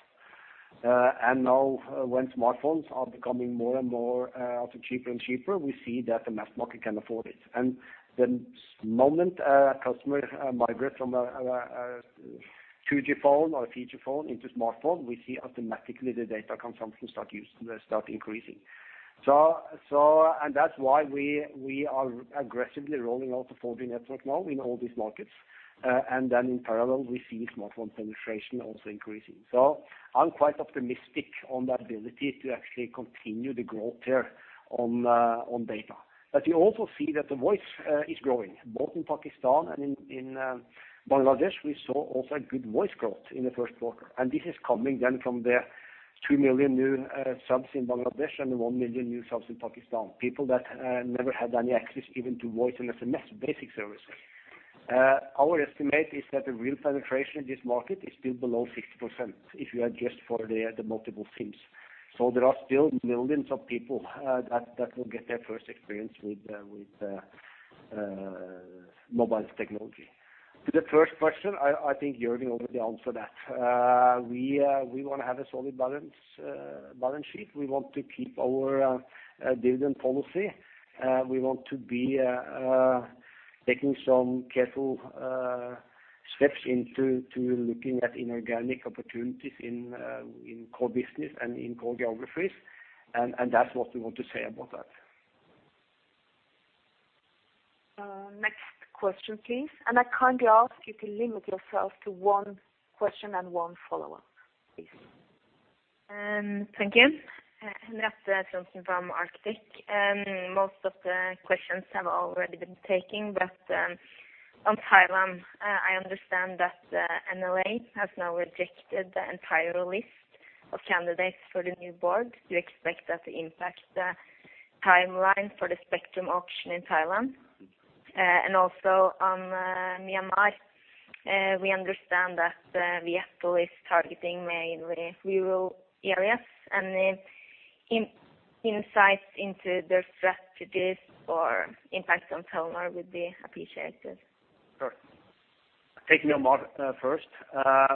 And now when smartphones are becoming more and more also cheaper and cheaper, we see that the mass market can afford it. The moment a customer migrate from a 2G phone or a 3G phone into smartphone, we see automatically the data consumption start increasing. So, and that's why we are aggressively rolling out the 4G network now in all these markets. And then in parallel, we see smartphone penetration also increasing. So I'm quite optimistic on the ability to actually continue the growth there on data. But you also see that the voice is growing. Both in Pakistan and in Bangladesh, we saw also a good voice growth in the first quarter, and this is coming then from the 2 million new subs in Bangladesh and the 1 million new subs in Pakistan. People that never had any access even to voice and SMS, basic services. Our estimate is that the real penetration in this market is still below 60%, if you adjust for the multiple SIMs. So there are still millions of people that will get their first experience with mobile technology. To the first question, I think Jørgen already answered that. We wanna have a solid balance sheet. We want to keep our dividend policy. We want to be taking some careful steps into looking at inorganic opportunities in core business and in core geographies. That's what we want to say about that. Next question, please. I kindly ask you to limit yourself to one question and one follow-up, please. Thank you. Henriette Trondsen from Arctic. Most of the questions have already been taken, but on Thailand, I understand that the NLA has now rejected the entire list of candidates for the new board. Do you expect that to impact the timeline for the spectrum auction in Thailand? And also on Myanmar, we understand that Viettel is targeting mainly rural areas, and any insights into their strategies or impact on Telenor would be appreciated. Sure. Taking on Myanmar first,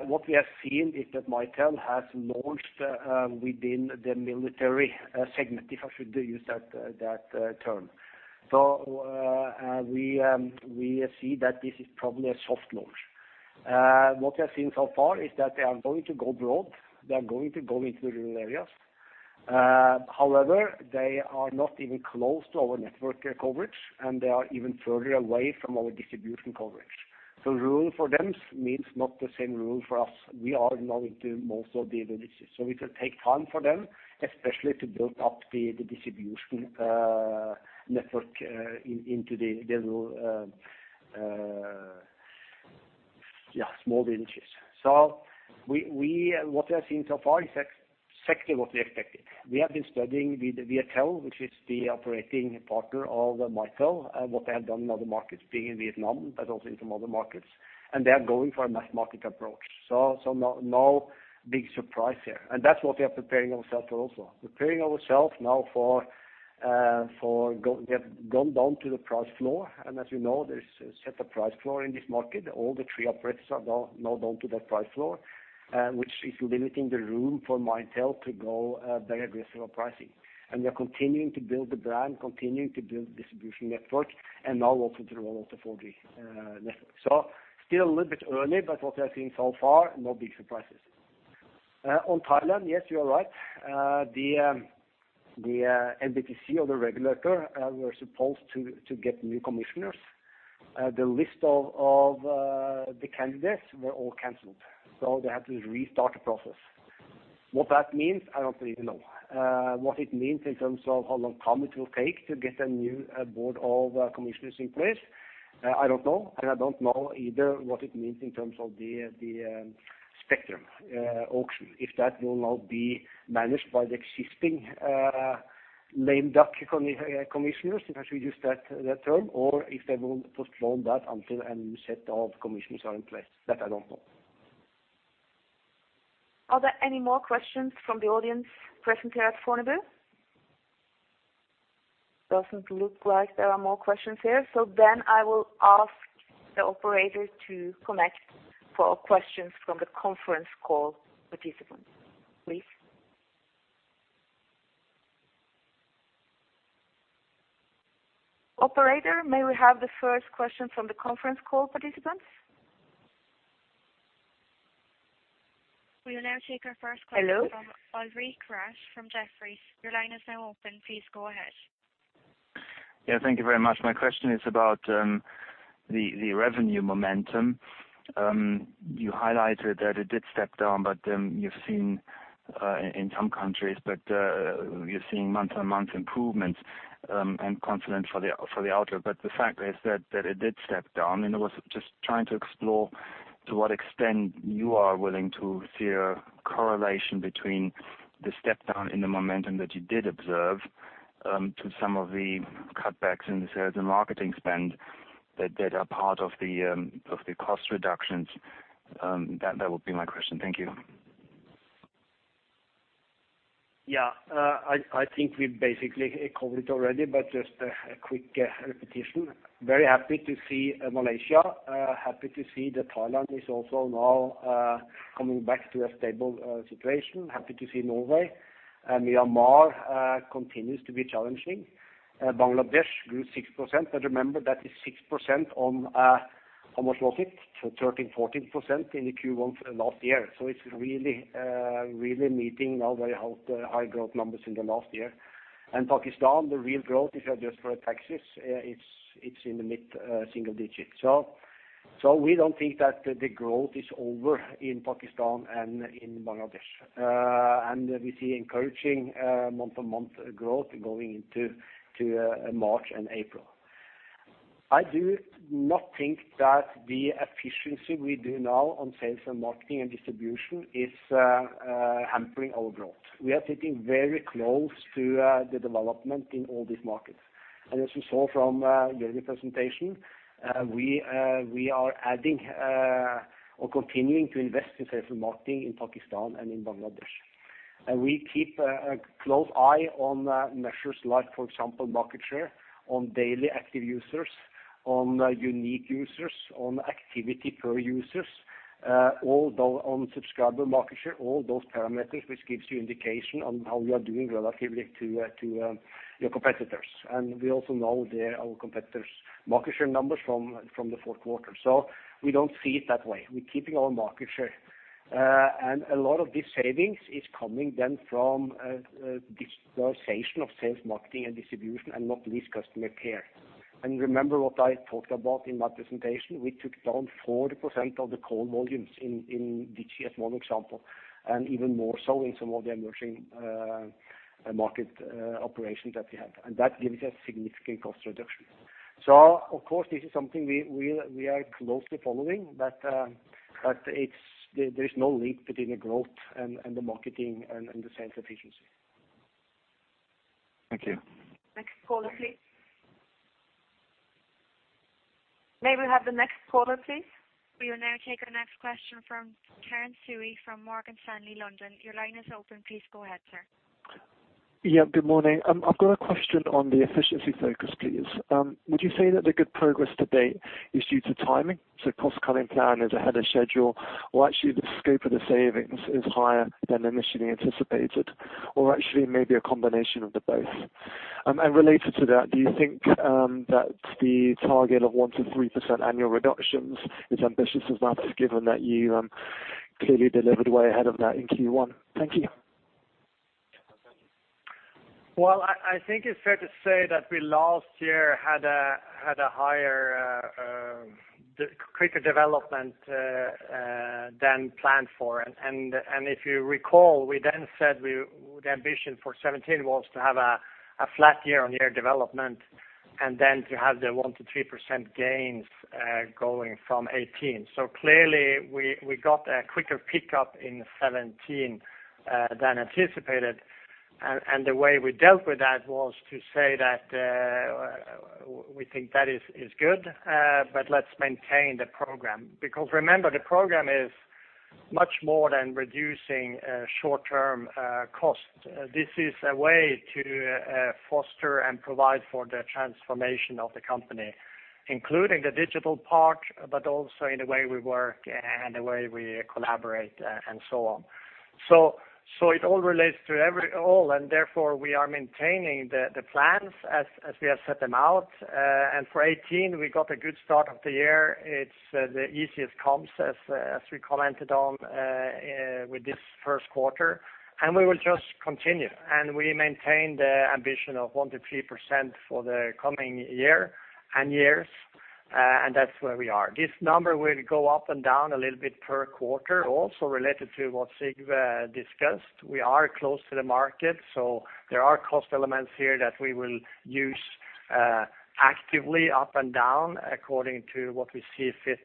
what we have seen is that Viettel has launched within the military segment, if I should use that term. So, we see that this is probably a soft launch. What we have seen so far is that they are going to go broad, they are going to go into the rural areas. However, they are not even close to our network coverage, and they are even further away from our distribution coverage. So rural for them means not the same rural for us. We are going to most of the villages. So it will take time for them, especially to build up the distribution network into the rural... Yeah, small digits. So what we have seen so far is exactly what we expected. We have been studying with the Viettel, which is the operating partner of the MyTel, and what they have done in other markets, being in Vietnam, but also in some other markets. And they are going for a mass market approach. So no big surprise here. And that's what we are preparing ourselves for also. Preparing ourselves now for going down to the price floor. And as you know, there's a set price floor in this market. All three operators are now going down to that price floor, which is limiting the room for MyTel to go very aggressive on pricing. And we are continuing to build the brand, continuing to build distribution network, and now also to roll out the 4G network. So still a little bit early, but what we are seeing so far, no big surprises. On Thailand, yes, you are right. The NBTC or the regulator were supposed to get new commissioners. The list of the candidates were all canceled, so they have to restart the process. What that means, I don't really know. What it means in terms of how long time it will take to get a new board of commissioners in place, I don't know. And I don't know either what it means in terms of the spectrum auction, if that will now be managed by the existing lame duck commissioners, if I should use that term, or if they will postpone that until a new set of commissioners are in place. That I don't know. Are there any more questions from the audience present here at Fornebu? Doesn't look like there are more questions here. I will ask the operator to connect for questions from the conference call participants, please. Operator, may we have the first question from the conference call participants? We will now take our first question. Hello? -from Ulrich Rathe from Jefferies. Your line is now open. Please go ahead. Yeah, thank you very much. My question is about the revenue momentum. You highlighted that it did step down, but you've seen in some countries, but you're seeing month-on-month improvements and confidence for the outlook. But the fact is that it did step down, and I was just trying to explore to what extent you are willing to see a correlation between the step down in the momentum that you did observe to some of the cutbacks in the sales and marketing spend that are part of the cost reductions? That would be my question. Thank you. Yeah. I think we basically covered it already, but just a quick repetition. Very happy to see Malaysia. Happy to see that Thailand is also now coming back to a stable situation. Happy to see Norway. And Myanmar continues to be challenging. Bangladesh grew 6%, but remember, that is 6% on how much was it? So 13%-14% in the Q1 for the last year. So it's really really needing now very high growth numbers in the last year. And Pakistan, the real growth, if you adjust for the taxes, it's in the mid-single digits. So we don't think that the growth is over in Pakistan and in Bangladesh. And we see encouraging month-on-month growth going into March and April. I do not think that the efficiency we do now on sales and marketing and distribution is hampering our growth. We are sitting very close to the development in all these markets. As you saw from Jørgen's presentation, we are adding or continuing to invest in sales and marketing in Pakistan and in Bangladesh. We keep a close eye on measures like, for example, market share, on daily active users, on unique users, on activity per users, although on subscriber market share, all those parameters, which gives you indication on how we are doing relatively to your competitors. We also know their, our competitors' market share numbers from the fourth quarter. We don't see it that way. We're keeping our market share. A lot of these savings is coming then from dispersion of sales, marketing, and distribution, and not least customer care. Remember what I talked about in my presentation, we took down 40% of the call volumes in Digi, as one example, and even more so in some of the emerging market operations that we have. That gives us significant cost reduction. Of course, this is something we are closely following, but there is no link between the growth and the marketing and the sales efficiency. Thank you. Next caller, please. May we have the next caller, please? We will now take our next question from Terence Tsui, from Morgan Stanley, London. Your line is open. Please go ahead, sir. Yeah, good morning. I've got a question on the efficiency focus, please. Would you say that the good progress to date is due to timing, so cost cutting plan is ahead of schedule? Or actually, the scope of the savings is higher than initially anticipated, or actually maybe a combination of the both? And related to that, do you think that the target of 1%-3% annual reductions is ambitious as that, given that you clearly delivered way ahead of that in Q1? Thank you. Well, I think it's fair to say that we last year had a higher, quicker development than planned for. And if you recall, we then said the ambition for 2017 was to have a flat year-on-year development and then to have the 1%-3% gains, going from 2018. So clearly, we got a quicker pickup in 2017 than anticipated. And the way we dealt with that was to say that, we think that is good, but let's maintain the program. Because remember, the program is much more than reducing short-term costs. This is a way to foster and provide for the transformation of the company, including the digital part, but also in the way we work and the way we collaborate, and so on. So, it all relates to all, and therefore, we are maintaining the plans as we have set them out. And for 2018, we got a good start of the year. It's the easiest comps as we commented on with this first quarter, and we will just continue. And we maintain the ambition of 1%-3% for the coming year and years, and that's where we are. This number will go up and down a little bit per quarter, also related to what Sigve discussed. We are close to the market, so there are cost elements here that we will use actively up and down according to what we see fit,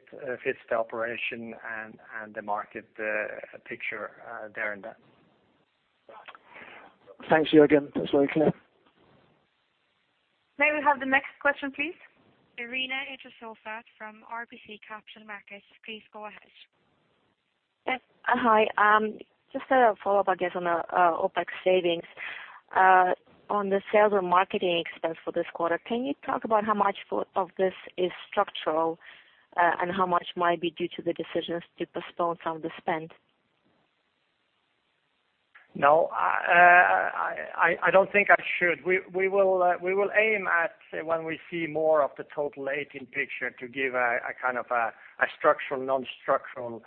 fits the operation and the market picture there and then. Thanks, Jørgen. That's very clear. May we have the next question, please? Irina Idrissova from RBC Capital Markets, please go ahead. Yes. Hi, just a follow-up, I guess, on the OpEx savings. On the sales and marketing expense for this quarter, can you talk about how much for, of this is structural, and how much might be due to the decisions to postpone some of the spend? No, I don't think I should. We will aim at when we see more of the total 2018 picture to give a kind of a structural, non-structural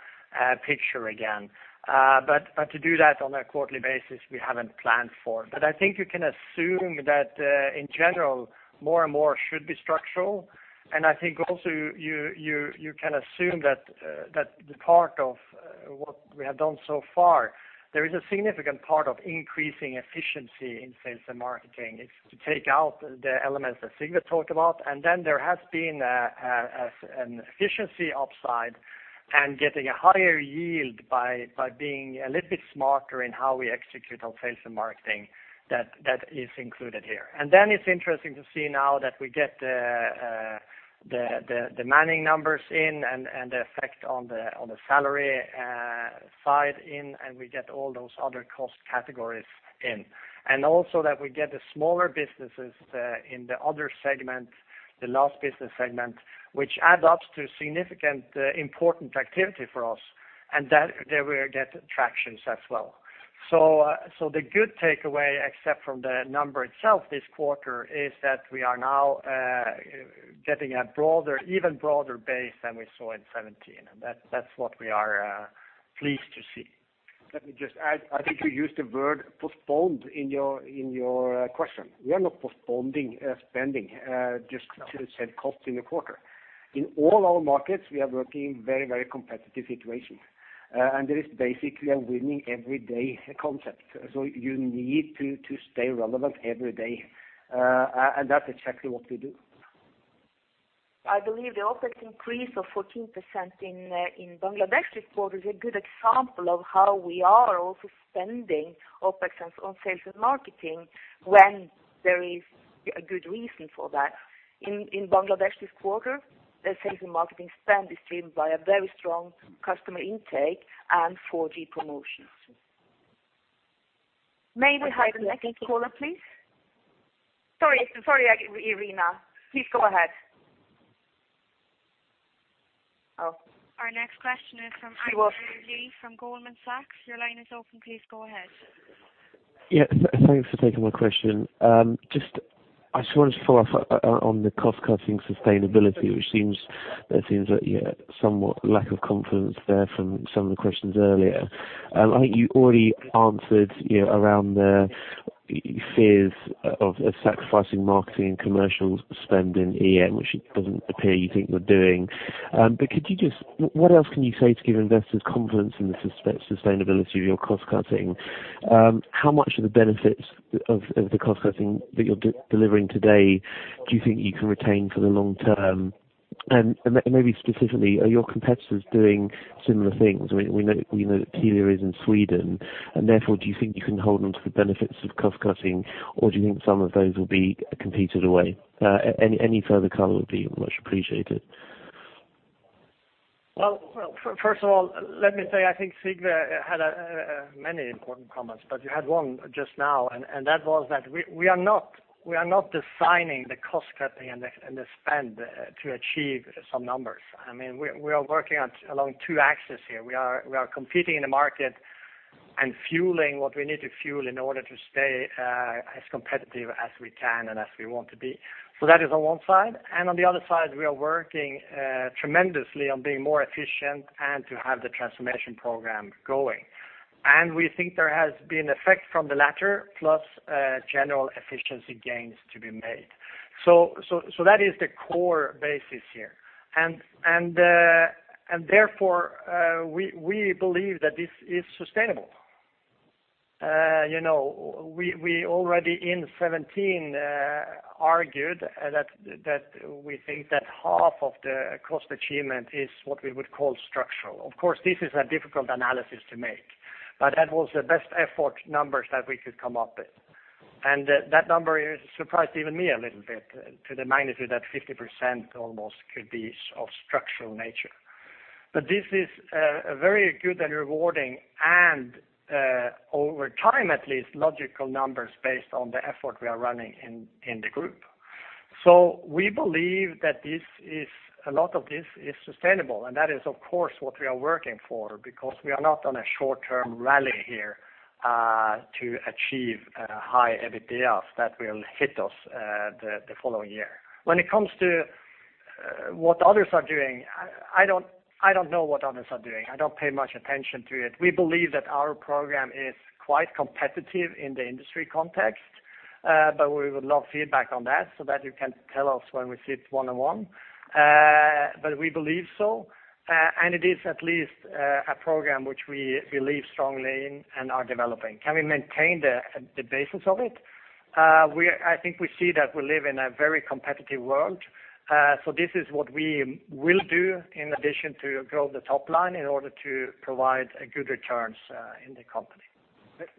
picture again. But to do that on a quarterly basis, we haven't planned for. But I think you can assume that in general, more and more should be structural. And I think also, you can assume that that the part of what we have done so far, there is a significant part of increasing efficiency in sales and marketing. It's to take out the elements that Sigve talked about, and then there has been a an efficiency upside and getting a higher yield by being a little bit smarter in how we execute on sales and marketing, that is included here. Then it's interesting to see now that we get the manning numbers in and the effect on the salary side in, and we get all those other cost categories in. And also that we get the smaller businesses in the other segment, the last business segment, which adds up to significant important activity for us, and that there we get tractions as well. So the good takeaway, except from the number itself this quarter, is that we are now getting a broader, even broader base than we saw in 2017, and that's what we are pleased to see. Let me just add, I think you used the word postponed in your question. We are not postponing spending just to save costs in the quarter. In all our markets, we are working in very, very competitive situations, and there is basically a winning every day concept. So you need to stay relevant every day, and that's exactly what we do. I believe the OpEx increase of 14% in Bangladesh this quarter is a good example of how we are also spending OpEx on sales and marketing when there is a good reason for that. In Bangladesh this quarter, the sales and marketing spend is driven by a very strong customer intake and 4G promotions. May we have the next caller, please? Sorry, sorry, Irina. Please go ahead. Oh. Our next question is from Andrew Lee from Goldman Sachs. Your line is open, please go ahead. Yeah, thanks for taking my question. Just, I just wanted to follow up on the cost-cutting sustainability, which seems, there seems like, yeah, somewhat lack of confidence there from some of the questions earlier. I think you already answered, you know, around the fears of sacrificing marketing and commercial spend in EM, which it doesn't appear you think you're doing. But could you just, what else can you say to give investors confidence in the sustainability of your cost cutting? How much of the benefits of the cost cutting that you're delivering today do you think you can retain for the long term? And maybe specifically, are your competitors doing similar things? I mean, we know, we know that Telia is in Sweden, and therefore, do you think you can hold onto the benefits of cost cutting, or do you think some of those will be competed away? Any further color would be much appreciated. Well, first of all, let me say, I think Sigve had a many important comments, but you had one just now, and that was that we are not designing the cost cutting and the spend to achieve some numbers. I mean, we are working on along two axes here. We are competing in the market and fueling what we need to fuel in order to stay as competitive as we can and as we want to be. So that is on one side, and on the other side, we are working tremendously on being more efficient and to have the transformation program going. We think there has been effect from the latter, plus general efficiency gains to be made. So that is the core basis here. Therefore, we believe that this is sustainable. You know, we already in 2017 argued that we think that half of the cost achievement is what we would call structural. Of course, this is a difficult analysis to make, but that was the best effort numbers that we could come up with. And that number surprised even me a little bit, to the magnitude that almost 50% could be of structural nature. But this is a very good and rewarding, and over time, at least, logical numbers based on the effort we are running in the group. So we believe that this is, a lot of this is sustainable, and that is, of course, what we are working for, because we are not on a short-term rally here, to achieve high EBITDA, that will hit us, the following year. When it comes to what others are doing, I don't know what others are doing. I don't pay much attention to it. We believe that our program is quite competitive in the industry context, but we would love feedback on that so that you can tell us when we sit one-on-one. But we believe so, and it is at least a program which we believe strongly in and are developing. Can we maintain the basis of it? I think we see that we live in a very competitive world. This is what we will do in addition to grow the top line, in order to provide a good returns in the company.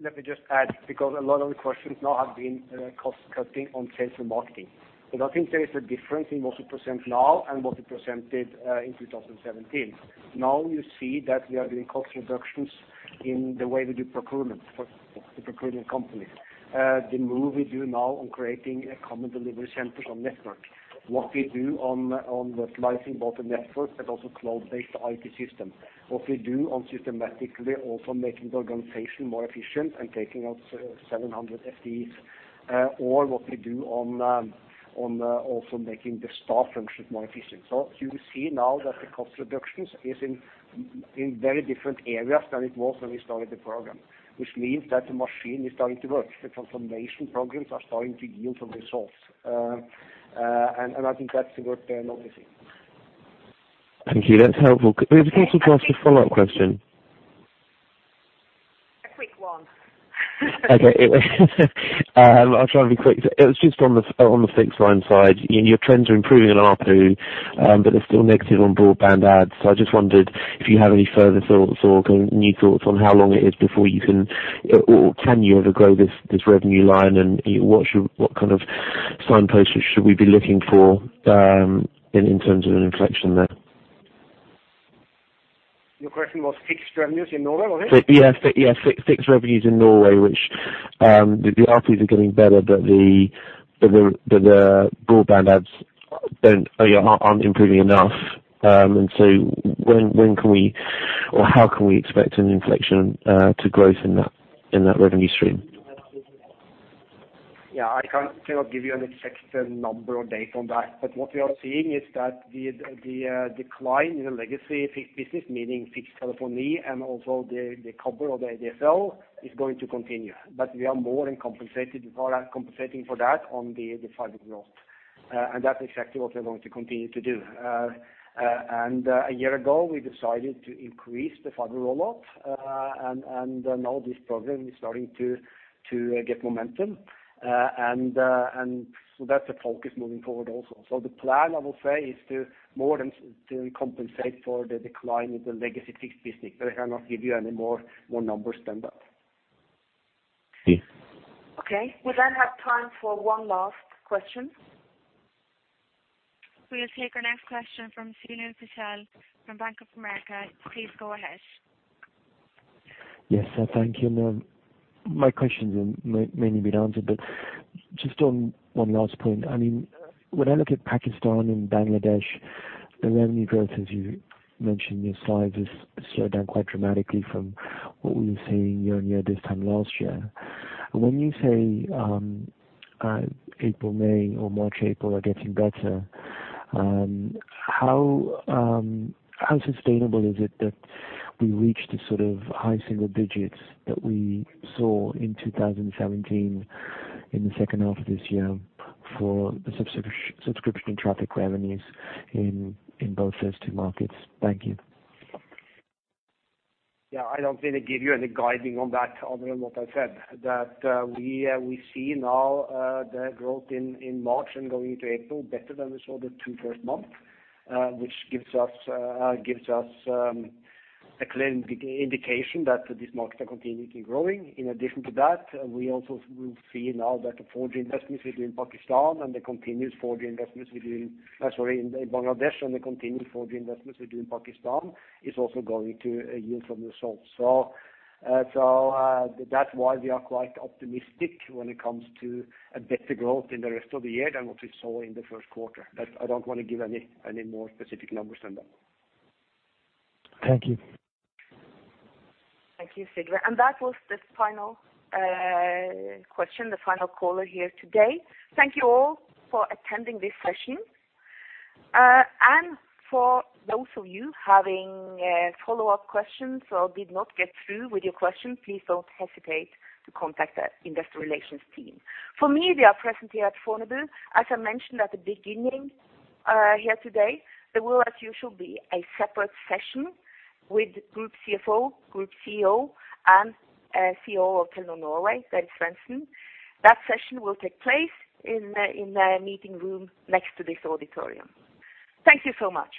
Let me just add, because a lot of the questions now have been cost cutting on sales and marketing. But I think there is a difference in what we present now and what we presented in 2017. Now you see that we are doing cost reductions in the way we do procurement for the procurement company. The move we do now on creating a common delivery centers on network. What we do on the slicing both the network, but also cloud-based IT system. What we do on systematically also making the organization more efficient and taking out 700 FTEs, or what we do on also making the staff functions more efficient. So you see now that the cost reductions is in very different areas than it was when we started the program, which means that the machine is starting to work. The transformation programs are starting to yield some results, and I think that's a good thing, obviously. Thank you. That's helpful. Is it possible to ask a follow-up question? A quick one. Okay. I'll try to be quick. It was just on the, on the fixed line side. Your trends are improving on ARPU, but they're still negative on broadband adds. So I just wondered if you have any further thoughts or kind of new thoughts on how long it is before you can. Or, or can you ever grow this, this revenue line? And what should-- what kind of signposts should we be looking for, in, in terms of an inflection there? Your question was fixed revenues in Norway, was it? Yeah, yeah. Fixed revenues in Norway, which the ARPUs are getting better, but the broadband adds aren't improving enough. And so when can we, or how can we expect an inflection to growth in that revenue stream? Yeah, I cannot give you an exact number or date on that. But what we are seeing is that the decline in the legacy fixed business, meaning fixed telephony and also the copper or the ADSL, is going to continue. But we are more than compensating for that on the fiber growth. And that's exactly what we are going to continue to do. And a year ago, we decided to increase the fiber rollout, and now this program is starting to get momentum. And so that's the focus moving forward also. So the plan, I will say, is to more than compensate for the decline in the legacy fixed business, but I cannot give you any more numbers than that. Thank you. Okay. We then have time for one last question. We'll take our next question from Sunil Patel from Bank of America. Please go ahead. Yes, thank you. Ma'am. My question may mainly been answered, but just on one last point, I mean, when I look at Pakistan and Bangladesh, the revenue growth, as you mentioned in your slides, has slowed down quite dramatically from what we were seeing year-on-year this time last year. When you say, April, May, or March, April are getting better, how sustainable is it that we reach the sort of high single digits that we saw in 2017, in the second half of this year, for the subscription traffic revenues in both those two markets? Thank you. Yeah, I don't want to give you any guidance on that other than what I said. That we see now the growth in March and going into April better than we saw the two first months, which gives us a clear indication that these markets are continuing in growing. In addition to that, we also will see now that the 4G investments we do in Pakistan and the continuous 4G investments we do in Bangladesh and the continued 4G investments we do in Pakistan is also going to yield some results. So that's why we are quite optimistic when it comes to a better growth in the rest of the year than what we saw in the first quarter. But I don't want to give any more specific numbers than that. Thank you. Thank you, Sunil. And that was the final question, the final caller here today. Thank you all for attending this session. And for those of you having follow-up questions or did not get through with your questions, please don't hesitate to contact our investor relations team. For me, we are presently at Fornebu. As I mentioned at the beginning, here today, there will, as usual, be a separate session with group CFO, group CEO, and CEO of Telenor Norway, that is Frank Maaø. That session will take place in the meeting room next to this auditorium. Thank you so much.